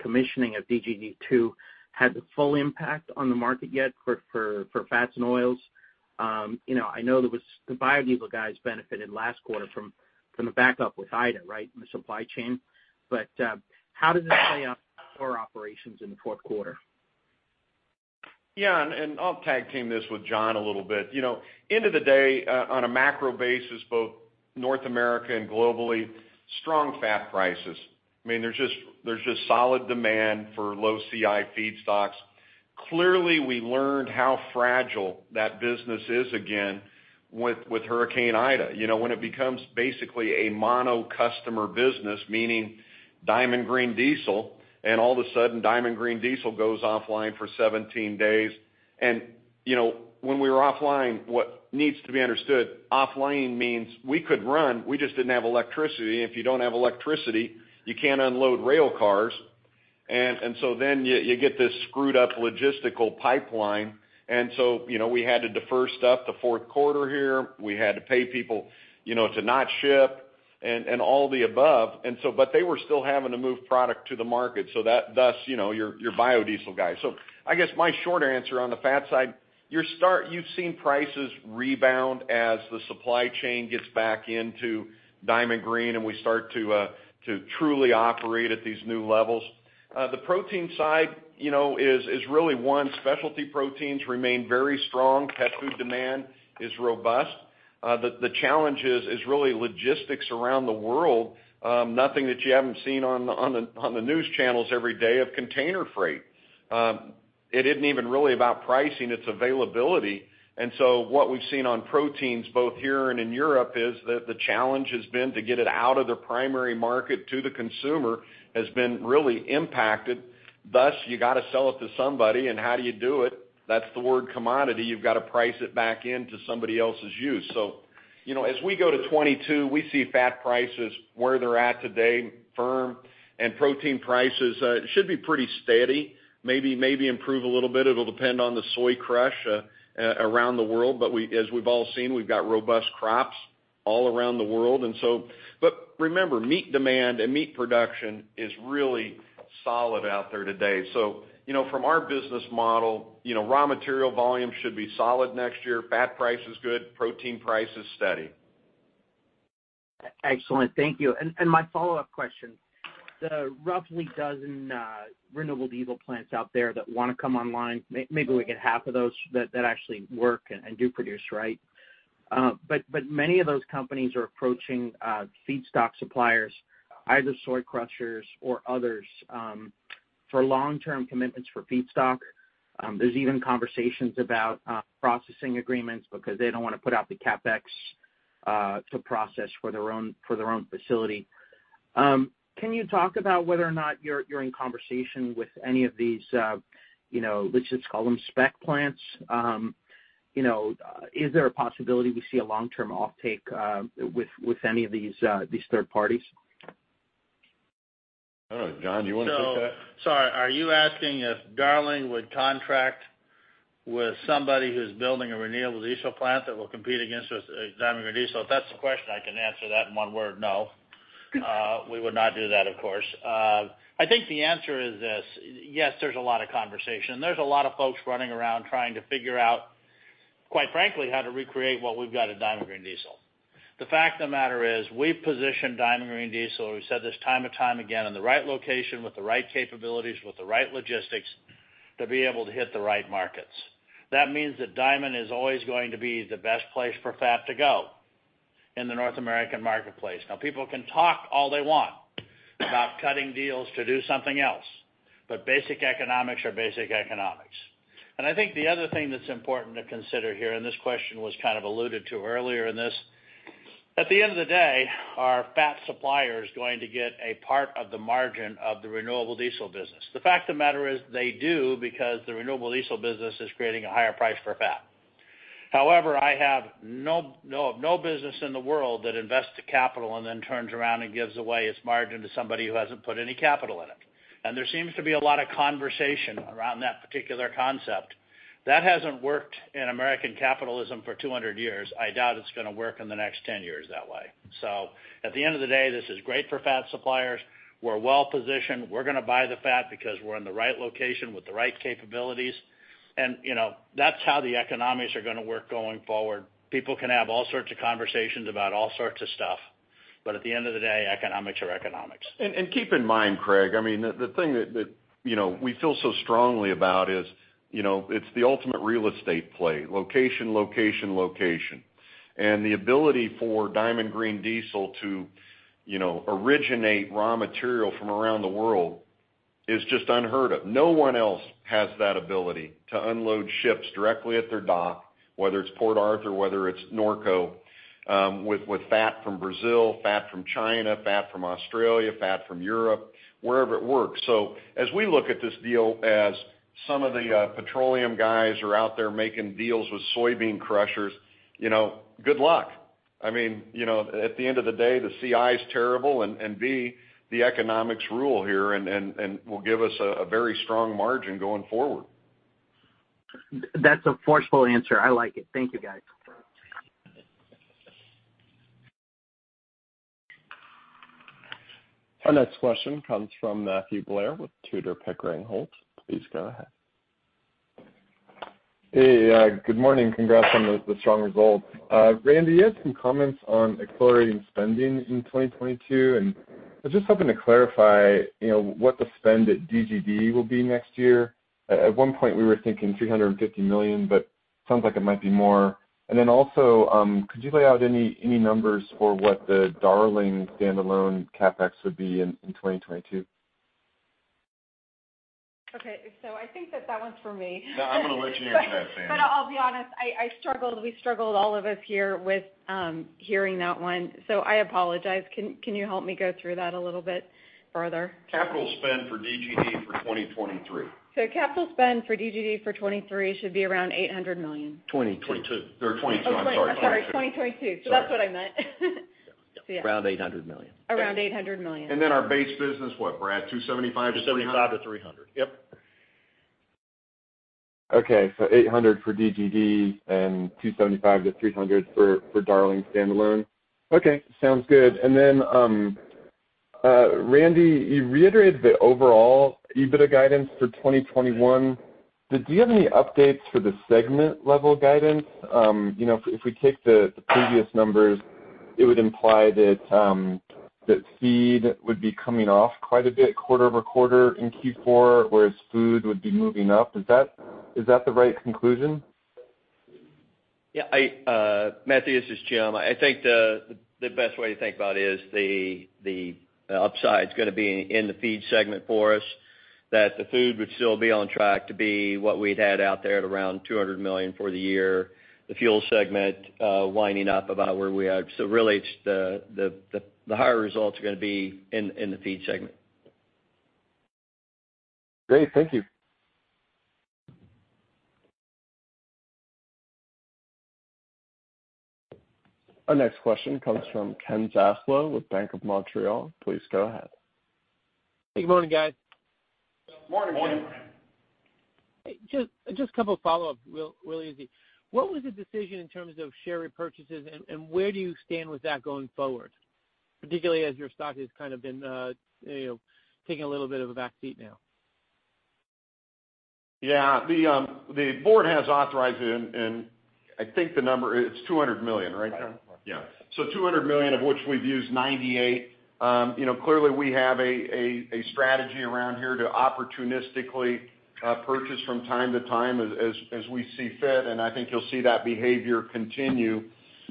commissioning of DGD two had the full impact on the market yet for fats and oils? You know, I know the biodiesel guys benefited last quarter from a backup with Ida, right, and the supply chain. How does this play out for operations in the fourth quarter? Yeah, I'll tag team this with John a little bit. You know, end of the day, on a macro basis, both North America and globally, strong fat prices. I mean, there's just solid demand for low CI feedstocks. Clearly, we learned how fragile that business is again with Hurricane Ida. You know, when it becomes basically a mono-customer business, meaning Diamond Green Diesel, and all of a sudden Diamond Green Diesel goes offline for 17 days. You know, when we were offline, what needs to be understood, offline means we could run, we just didn't have electricity. If you don't have electricity, you can't unload rail cars. You get this screwed up logistical pipeline. You know, we had to defer stuff to fourth quarter here. We had to pay people, you know, to not ship and all of the above. They were still having to move product to the market. That, thus, you know, your biodiesel guy. I guess my short answer on the fat side. You've seen prices rebound as the supply chain gets back into Diamond Green, and we start to truly operate at these new levels. The protein side, you know, is really one. Specialty proteins remain very strong. Pet food demand is robust. The challenge is really logistics around the world. Nothing that you haven't seen on the news channels every day of container freight. It isn't even really about pricing, it's availability. What we've seen on proteins both here and in Europe is that the challenge has been to get it out of the primary market to the consumer has been really impacted. Thus, you gotta sell it to somebody. How do you do it? That's the word commodity. You've got to price it back into somebody else's use. You know, as we go to 2022, we see fat prices where they're at today, firm. Protein prices should be pretty steady, maybe improve a little bit. It'll depend on the soy crush around the world. As we've all seen, we've got robust crops all around the world. Remember, meat demand and meat production is really solid out there today. You know, from our business model, you know, raw material volume should be solid next year. Fat price is good, protein price is steady. Excellent. Thank you. My follow-up question. The roughly dozen renewable diesel plants out there that wanna come online, maybe we get half of those that actually work and do produce, right? Many of those companies are approaching feedstock suppliers, either soy crushers or others, for long-term commitments for feedstock. There's even conversations about processing agreements because they don't wanna put out the CapEx to process for their own facility. Can you talk about whether or not you're in conversation with any of these, you know, let's just call them spec plants? You know, is there a possibility we see a long-term offtake with any of these third parties? All right. John, do you wanna take that? Sorry, are you asking if Darling would contract with somebody who's building a renewable diesel plant that will compete against us at Diamond Green Diesel? If that's the question, I can answer that in one word, no. We would not do that, of course. I think the answer is this, yes, there's a lot of conversation. There's a lot of folks running around trying to figure out, quite frankly, how to recreate what we've got at Diamond Green Diesel. The fact of the matter is we've positioned Diamond Green Diesel, we've said this time and time again, in the right location with the right capabilities, with the right logistics to be able to hit the right markets. That means that Diamond is always going to be the best place for fat to go in the North American marketplace. Now, people can talk all they want about cutting deals to do something else, but basic economics are basic economics. I think the other thing that's important to consider here, and this question was kind of alluded to earlier in this, at the end of the day, are fat suppliers going to get a part of the margin of the renewable diesel business? The fact of the matter is they do because the renewable diesel business is creating a higher price for fat. However, I have no, no business in the world that invests the capital and then turns around and gives away its margin to somebody who hasn't put any capital in it. There seems to be a lot of conversation around that particular concept. That hasn't worked in American capitalism for 200 years. I doubt it's gonna work in the next 10 years that way. At the end of the day, this is great for fat suppliers. We're well positioned. We're gonna buy the fat because we're in the right location with the right capabilities. You know, that's how the economics are gonna work going forward. People can have all sorts of conversations about all sorts of stuff, but at the end of the day, economics are economics. Keep in mind, Craig, I mean, the thing that you know, we feel so strongly about is, you know, it's the ultimate real estate play, location, location. The ability for Diamond Green Diesel to, you know, originate raw material from around the world is just unheard of. No one else has that ability to unload ships directly at their dock, whether it's Port Arthur, whether it's Norco, with fat from Brazil, fat from China, fat from Australia, fat from Europe, wherever it works. As we look at this deal, as some of the petroleum guys are out there making deals with soybean crushers, you know, good luck. I mean, you know, at the end of the day, the CI is terrible, and B, the economics rule here and will give us a very strong margin going forward. That's a forceful answer. I like it. Thank you, guys. Our next question comes from Matthew Blair with Tudor, Pickering, Holt. Please go ahead. Hey, good morning. Congrats on the strong results. Randy, you had some comments on accelerating spending in 2022, and I was just hoping to clarify, you know, what the spend at DGD will be next year. At one point, we were thinking $350 million, but sounds like it might be more. Could you lay out any numbers for what the Darling standalone CapEx would be in 2022? Okay. I think that one's for me. No, I'm gonna let you answer that, Sandy. I'll be honest, we struggled, all of us here, with hearing that one, so I apologize. Can you help me go through that a little bit further? Capital spend for DGD for 2023. Capital spend for DGD for 2023 should be around $800 million. 2022. 2022. 2022. I'm sorry, 2022. Oh, I'm sorry, 2022. That's what I meant. Yeah. Around $800 million. Around $800 million. Our base business, what, Brad? $275 million-$300 million? $275 million-$300 million. Yep. Okay. $800 million for DGD and $275 million-$300 million for Darling standalone. Okay. Sounds good. Randy, you reiterated the overall EBITDA guidance for 2021. Did you have any updates for the segment-level guidance? If we take the previous numbers, it would imply that Feed would be coming off quite a bit quarter-over-quarter in Q4, whereas Food would be moving up. Is that the right conclusion? Yeah. Matthew, this is Jim. I think the best way to think about it is the upside's gonna be in the Feed segment for us, that the Food would still be on track to be what we'd had out there at around $200 million for the year. The Fuel segment winding up about where we are. Really, it's the higher results are gonna be in the Feed segment. Great. Thank you. Our next question comes from Ken Zaslow with Bank of Montreal. Please go ahead. Hey, good morning, guys. Morning, Ken. Morning. Hey, just a couple follow-ups, real easy. What was the decision in terms of share repurchases, and where do you stand with that going forward, particularly as your stock has kind of been, you know, taking a little bit of a back seat now? Yeah. The board has authorized it, and I think the number, it's $200 million, right, Ken? Right. Yeah. $200 million, of which we've used $98 million. You know, clearly we have a strategy around here to opportunistically purchase from time to time as we see fit, and I think you'll see that behavior continue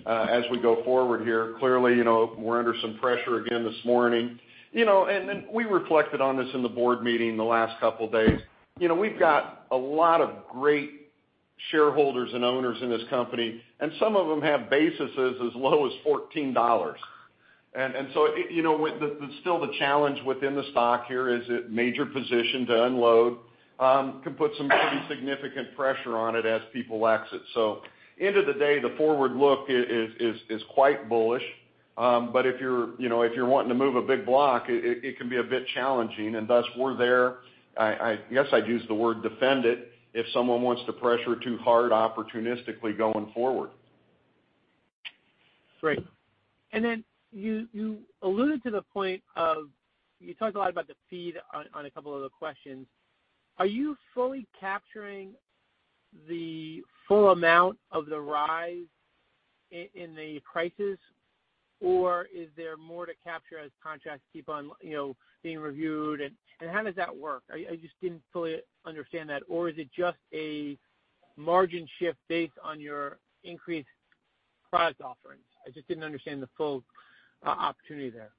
as we go forward here. Clearly, you know, we're under some pressure again this morning. You know, we reflected on this in the board meeting the last couple days. You know, we've got a lot of great shareholders and owners in this company, and some of them have bases as low as $14. You know, with the still the challenge within the stock here is a major position to unload can put some pretty significant pressure on it as people exit. End of the day, the forward look is quite bullish. If you're, you know, if you're wanting to move a big block, it can be a bit challenging, and thus we're there. Yes, I'd use the word defend it, if someone wants to pressure too hard opportunistically going forward. Great. You talked a lot about the feed on a couple other questions. Are you fully capturing the full amount of the rise in the prices, or is there more to capture as contracts keep on, you know, being reviewed and how does that work? I just didn't fully understand that. Is it just a margin shift based on your increased product offerings? I just didn't understand the full opportunity there.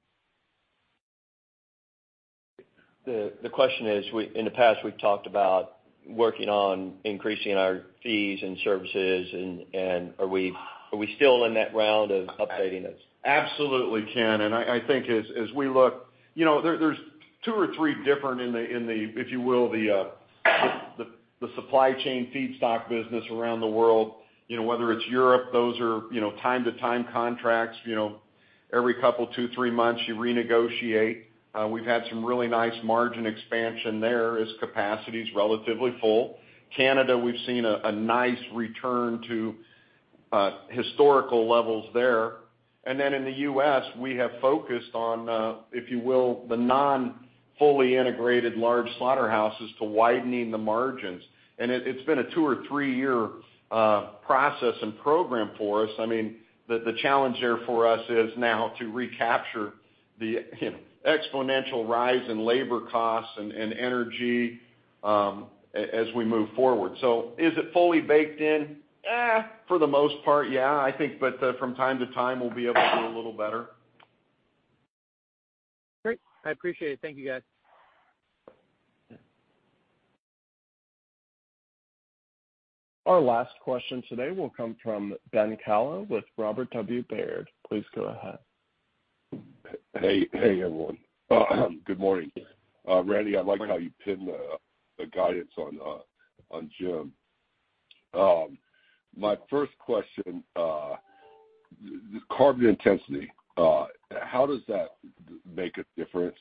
The question is, in the past, we've talked about working on increasing our fees and services, and are we still in that round of updating those? Absolutely, Ken. I think as we look. You know, there's two or three different in the, if you will, the supply chain feedstock business around the world. You know, whether it's Europe, those are, you know, from time to time contracts. You know, every couple, two, three months, you renegotiate. We've had some really nice margin expansion there as capacity's relatively full. Canada, we've seen a nice return to historical levels there. And then in the U.S., we have focused on, if you will, the non-fully integrated large slaughterhouses to widening the margins. And it's been a two- or three-year process and program for us. I mean, the challenge there for us is now to recapture the, you know, exponential rise in labor costs and energy as we move forward. Is it fully baked in? For the most part, yeah, I think, but from time to time, we'll be able to do a little better. Great. I appreciate it. Thank you, guys. Our last question today will come from Ben Kallo with Robert W. Baird. Please go ahead. Hey, everyone. Good morning. Randy, I like how you pinned the guidance on Jim. My first question, the carbon intensity, how does that make a difference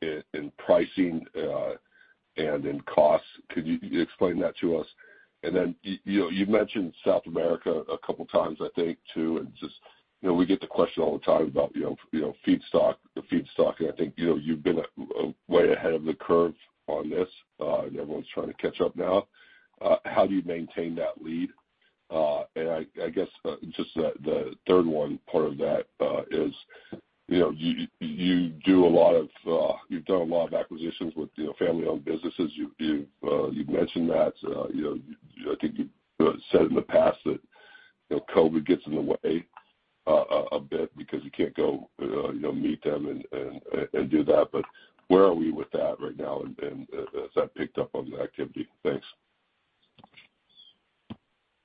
in pricing and in costs? Could you explain that to us? Then you know, you've mentioned South America a couple times, I think too. Just, you know, we get the question all the time about, you know, feedstock. I think, you know, you've been a way ahead of the curve on this, and everyone's trying to catch up now. How do you maintain that lead? And I guess just, the third one part of that is, you know, you've done a lot of acquisitions with, you know, family-owned businesses. You've mentioned that, you know, I think you said in the past that, you know, COVID gets in the way a bit because you can't go, you know, meet them and do that. But where are we with that right now? And has that picked up on the activity? Thanks.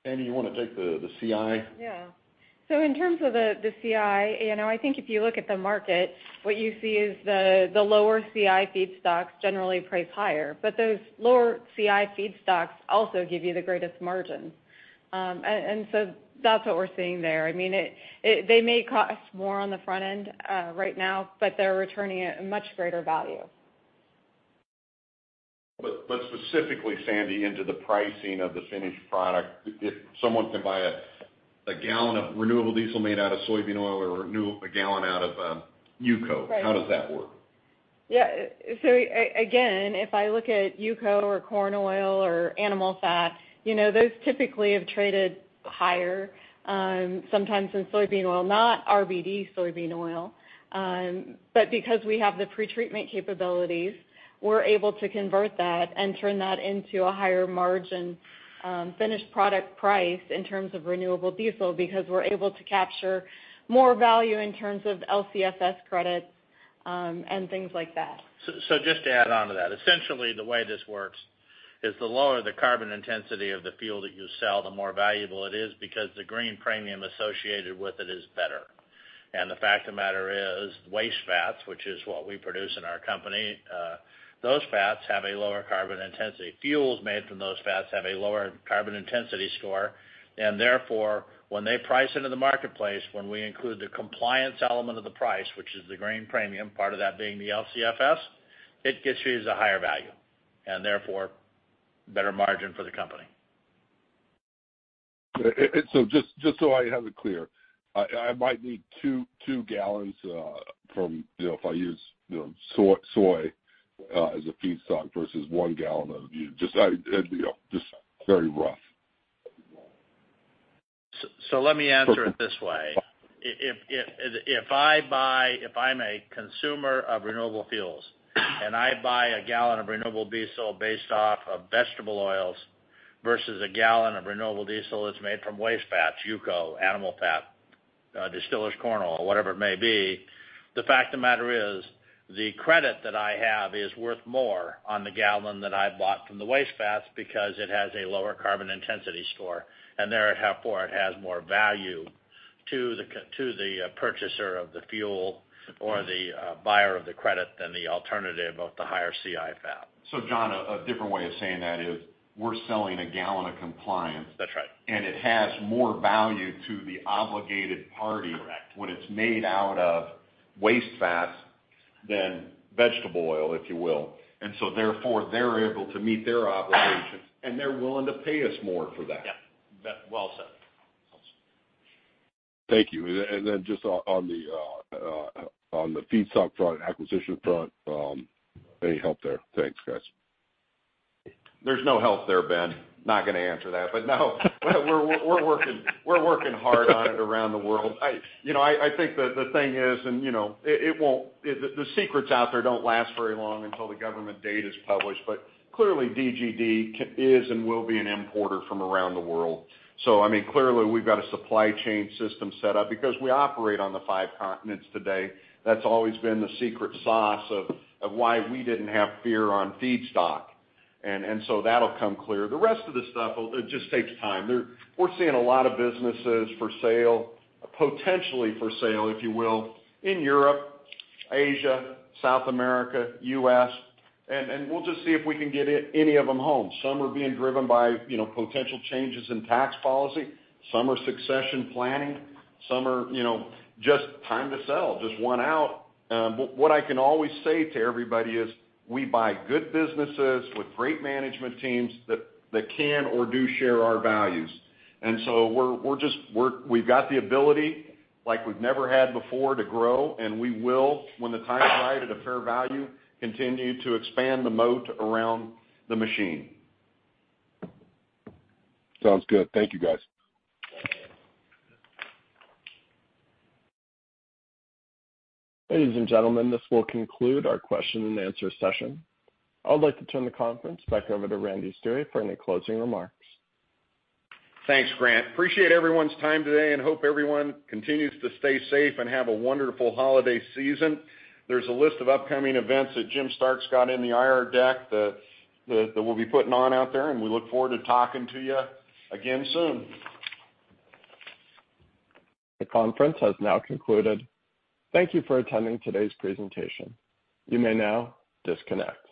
Sandy, you wanna take the CI? Yeah. In terms of the CI, you know, I think if you look at the market, what you see is the lower CI feedstocks generally price higher. Those lower CI feedstocks also give you the greatest margin. That's what we're seeing there. I mean, they may cost more on the front end, right now, but they're returning a much greater value. Specifically Sandy, into the pricing of the finished product. If someone can buy a gallon of renewable diesel made out of soybean oil or a gallon out of UCO. Right. How does that work? Yeah. Again, if I look at UCO or corn oil or animal fat, you know, those typically have traded higher, sometimes than soybean oil, not RBD soybean oil. Because we have the pretreatment capabilities, we're able to convert that and turn that into a higher margin, finished product price in terms of renewable diesel, because we're able to capture more value in terms of LCFS credits, and things like that. Just to add onto that. Essentially, the way this works is the lower the carbon intensity of the fuel that you sell, the more valuable it is because the green premium associated with it is better. The fact of the matter is waste fats, which is what we produce in our company, those fats have a lower carbon intensity. Fuels made from those fats have a lower carbon intensity score, and therefore, when they price into the marketplace, when we include the compliance element of the price, which is the green premium, part of that being the LCFS, it gets you a higher value and therefore better margin for the company. Just so I have it clear, I might need two gallons from, you know, if I use, you know, soy as a feedstock versus one gallon of UCO. Just, you know, very rough. Let me answer it this way. If I'm a consumer of renewable fuels and I buy a gallon of renewable diesel based off of vegetable oils versus a gallon of renewable diesel that's made from waste fats, UCO, animal fat, distillers corn oil, whatever it may be, the fact of the matter is the credit that I have is worth more on the gallon that I bought from the waste fats because it has a lower carbon intensity score, and therefore it has more value to the purchaser of the fuel or the buyer of the credit than the alternative of the higher CI fat. John, a different way of saying that is we're selling a gallon of compliance. That's right. It has more value to the obligated party. Correct. When it's made out of waste fats than vegetable oil, if you will, they're able to meet their obligations, and they're willing to pay us more for that. Yeah. Well said. Well said. Thank you. Just on the feedstock front, acquisition front, any help there? Thanks, guys. There's no help there, Ben. Not gonna answer that. No, we're working hard on it around the world. You know, I think that the thing is, you know, it won't. The secrets out there don't last very long until the government data is published. Clearly, DGD is and will be an importer from around the world. I mean, clearly, we've got a supply chain system set up because we operate on the five continents today. That's always been the secret sauce of why we didn't have fear on feedstock. That'll come clear. The rest of the stuff will. It just takes time. We're seeing a lot of businesses for sale, potentially for sale, if you will, in Europe, Asia, South America, U.S., and we'll just see if we can get any of them home. Some are being driven by, you know, potential changes in tax policy. Some are succession planning. Some are, you know, just time to sell, just want out. But what I can always say to everybody is we buy good businesses with great management teams that can or do share our values. We've got the ability like we've never had before to grow, and we will, when the time is right at a fair value, continue to expand the moat around the machine. Sounds good. Thank you, guys. Ladies and gentlemen, this will conclude our question and answer session. I would like to turn the conference back over to Randy Stuewe for any closing remarks. Thanks, Grant. Appreciate everyone's time today and hope everyone continues to stay safe and have a wonderful holiday season. There's a list of upcoming events that Jim Stark got in the IR deck that we'll be putting on out there, and we look forward to talking to you again soon. The conference has now concluded. Thank you for attending today's presentation. You may now disconnect.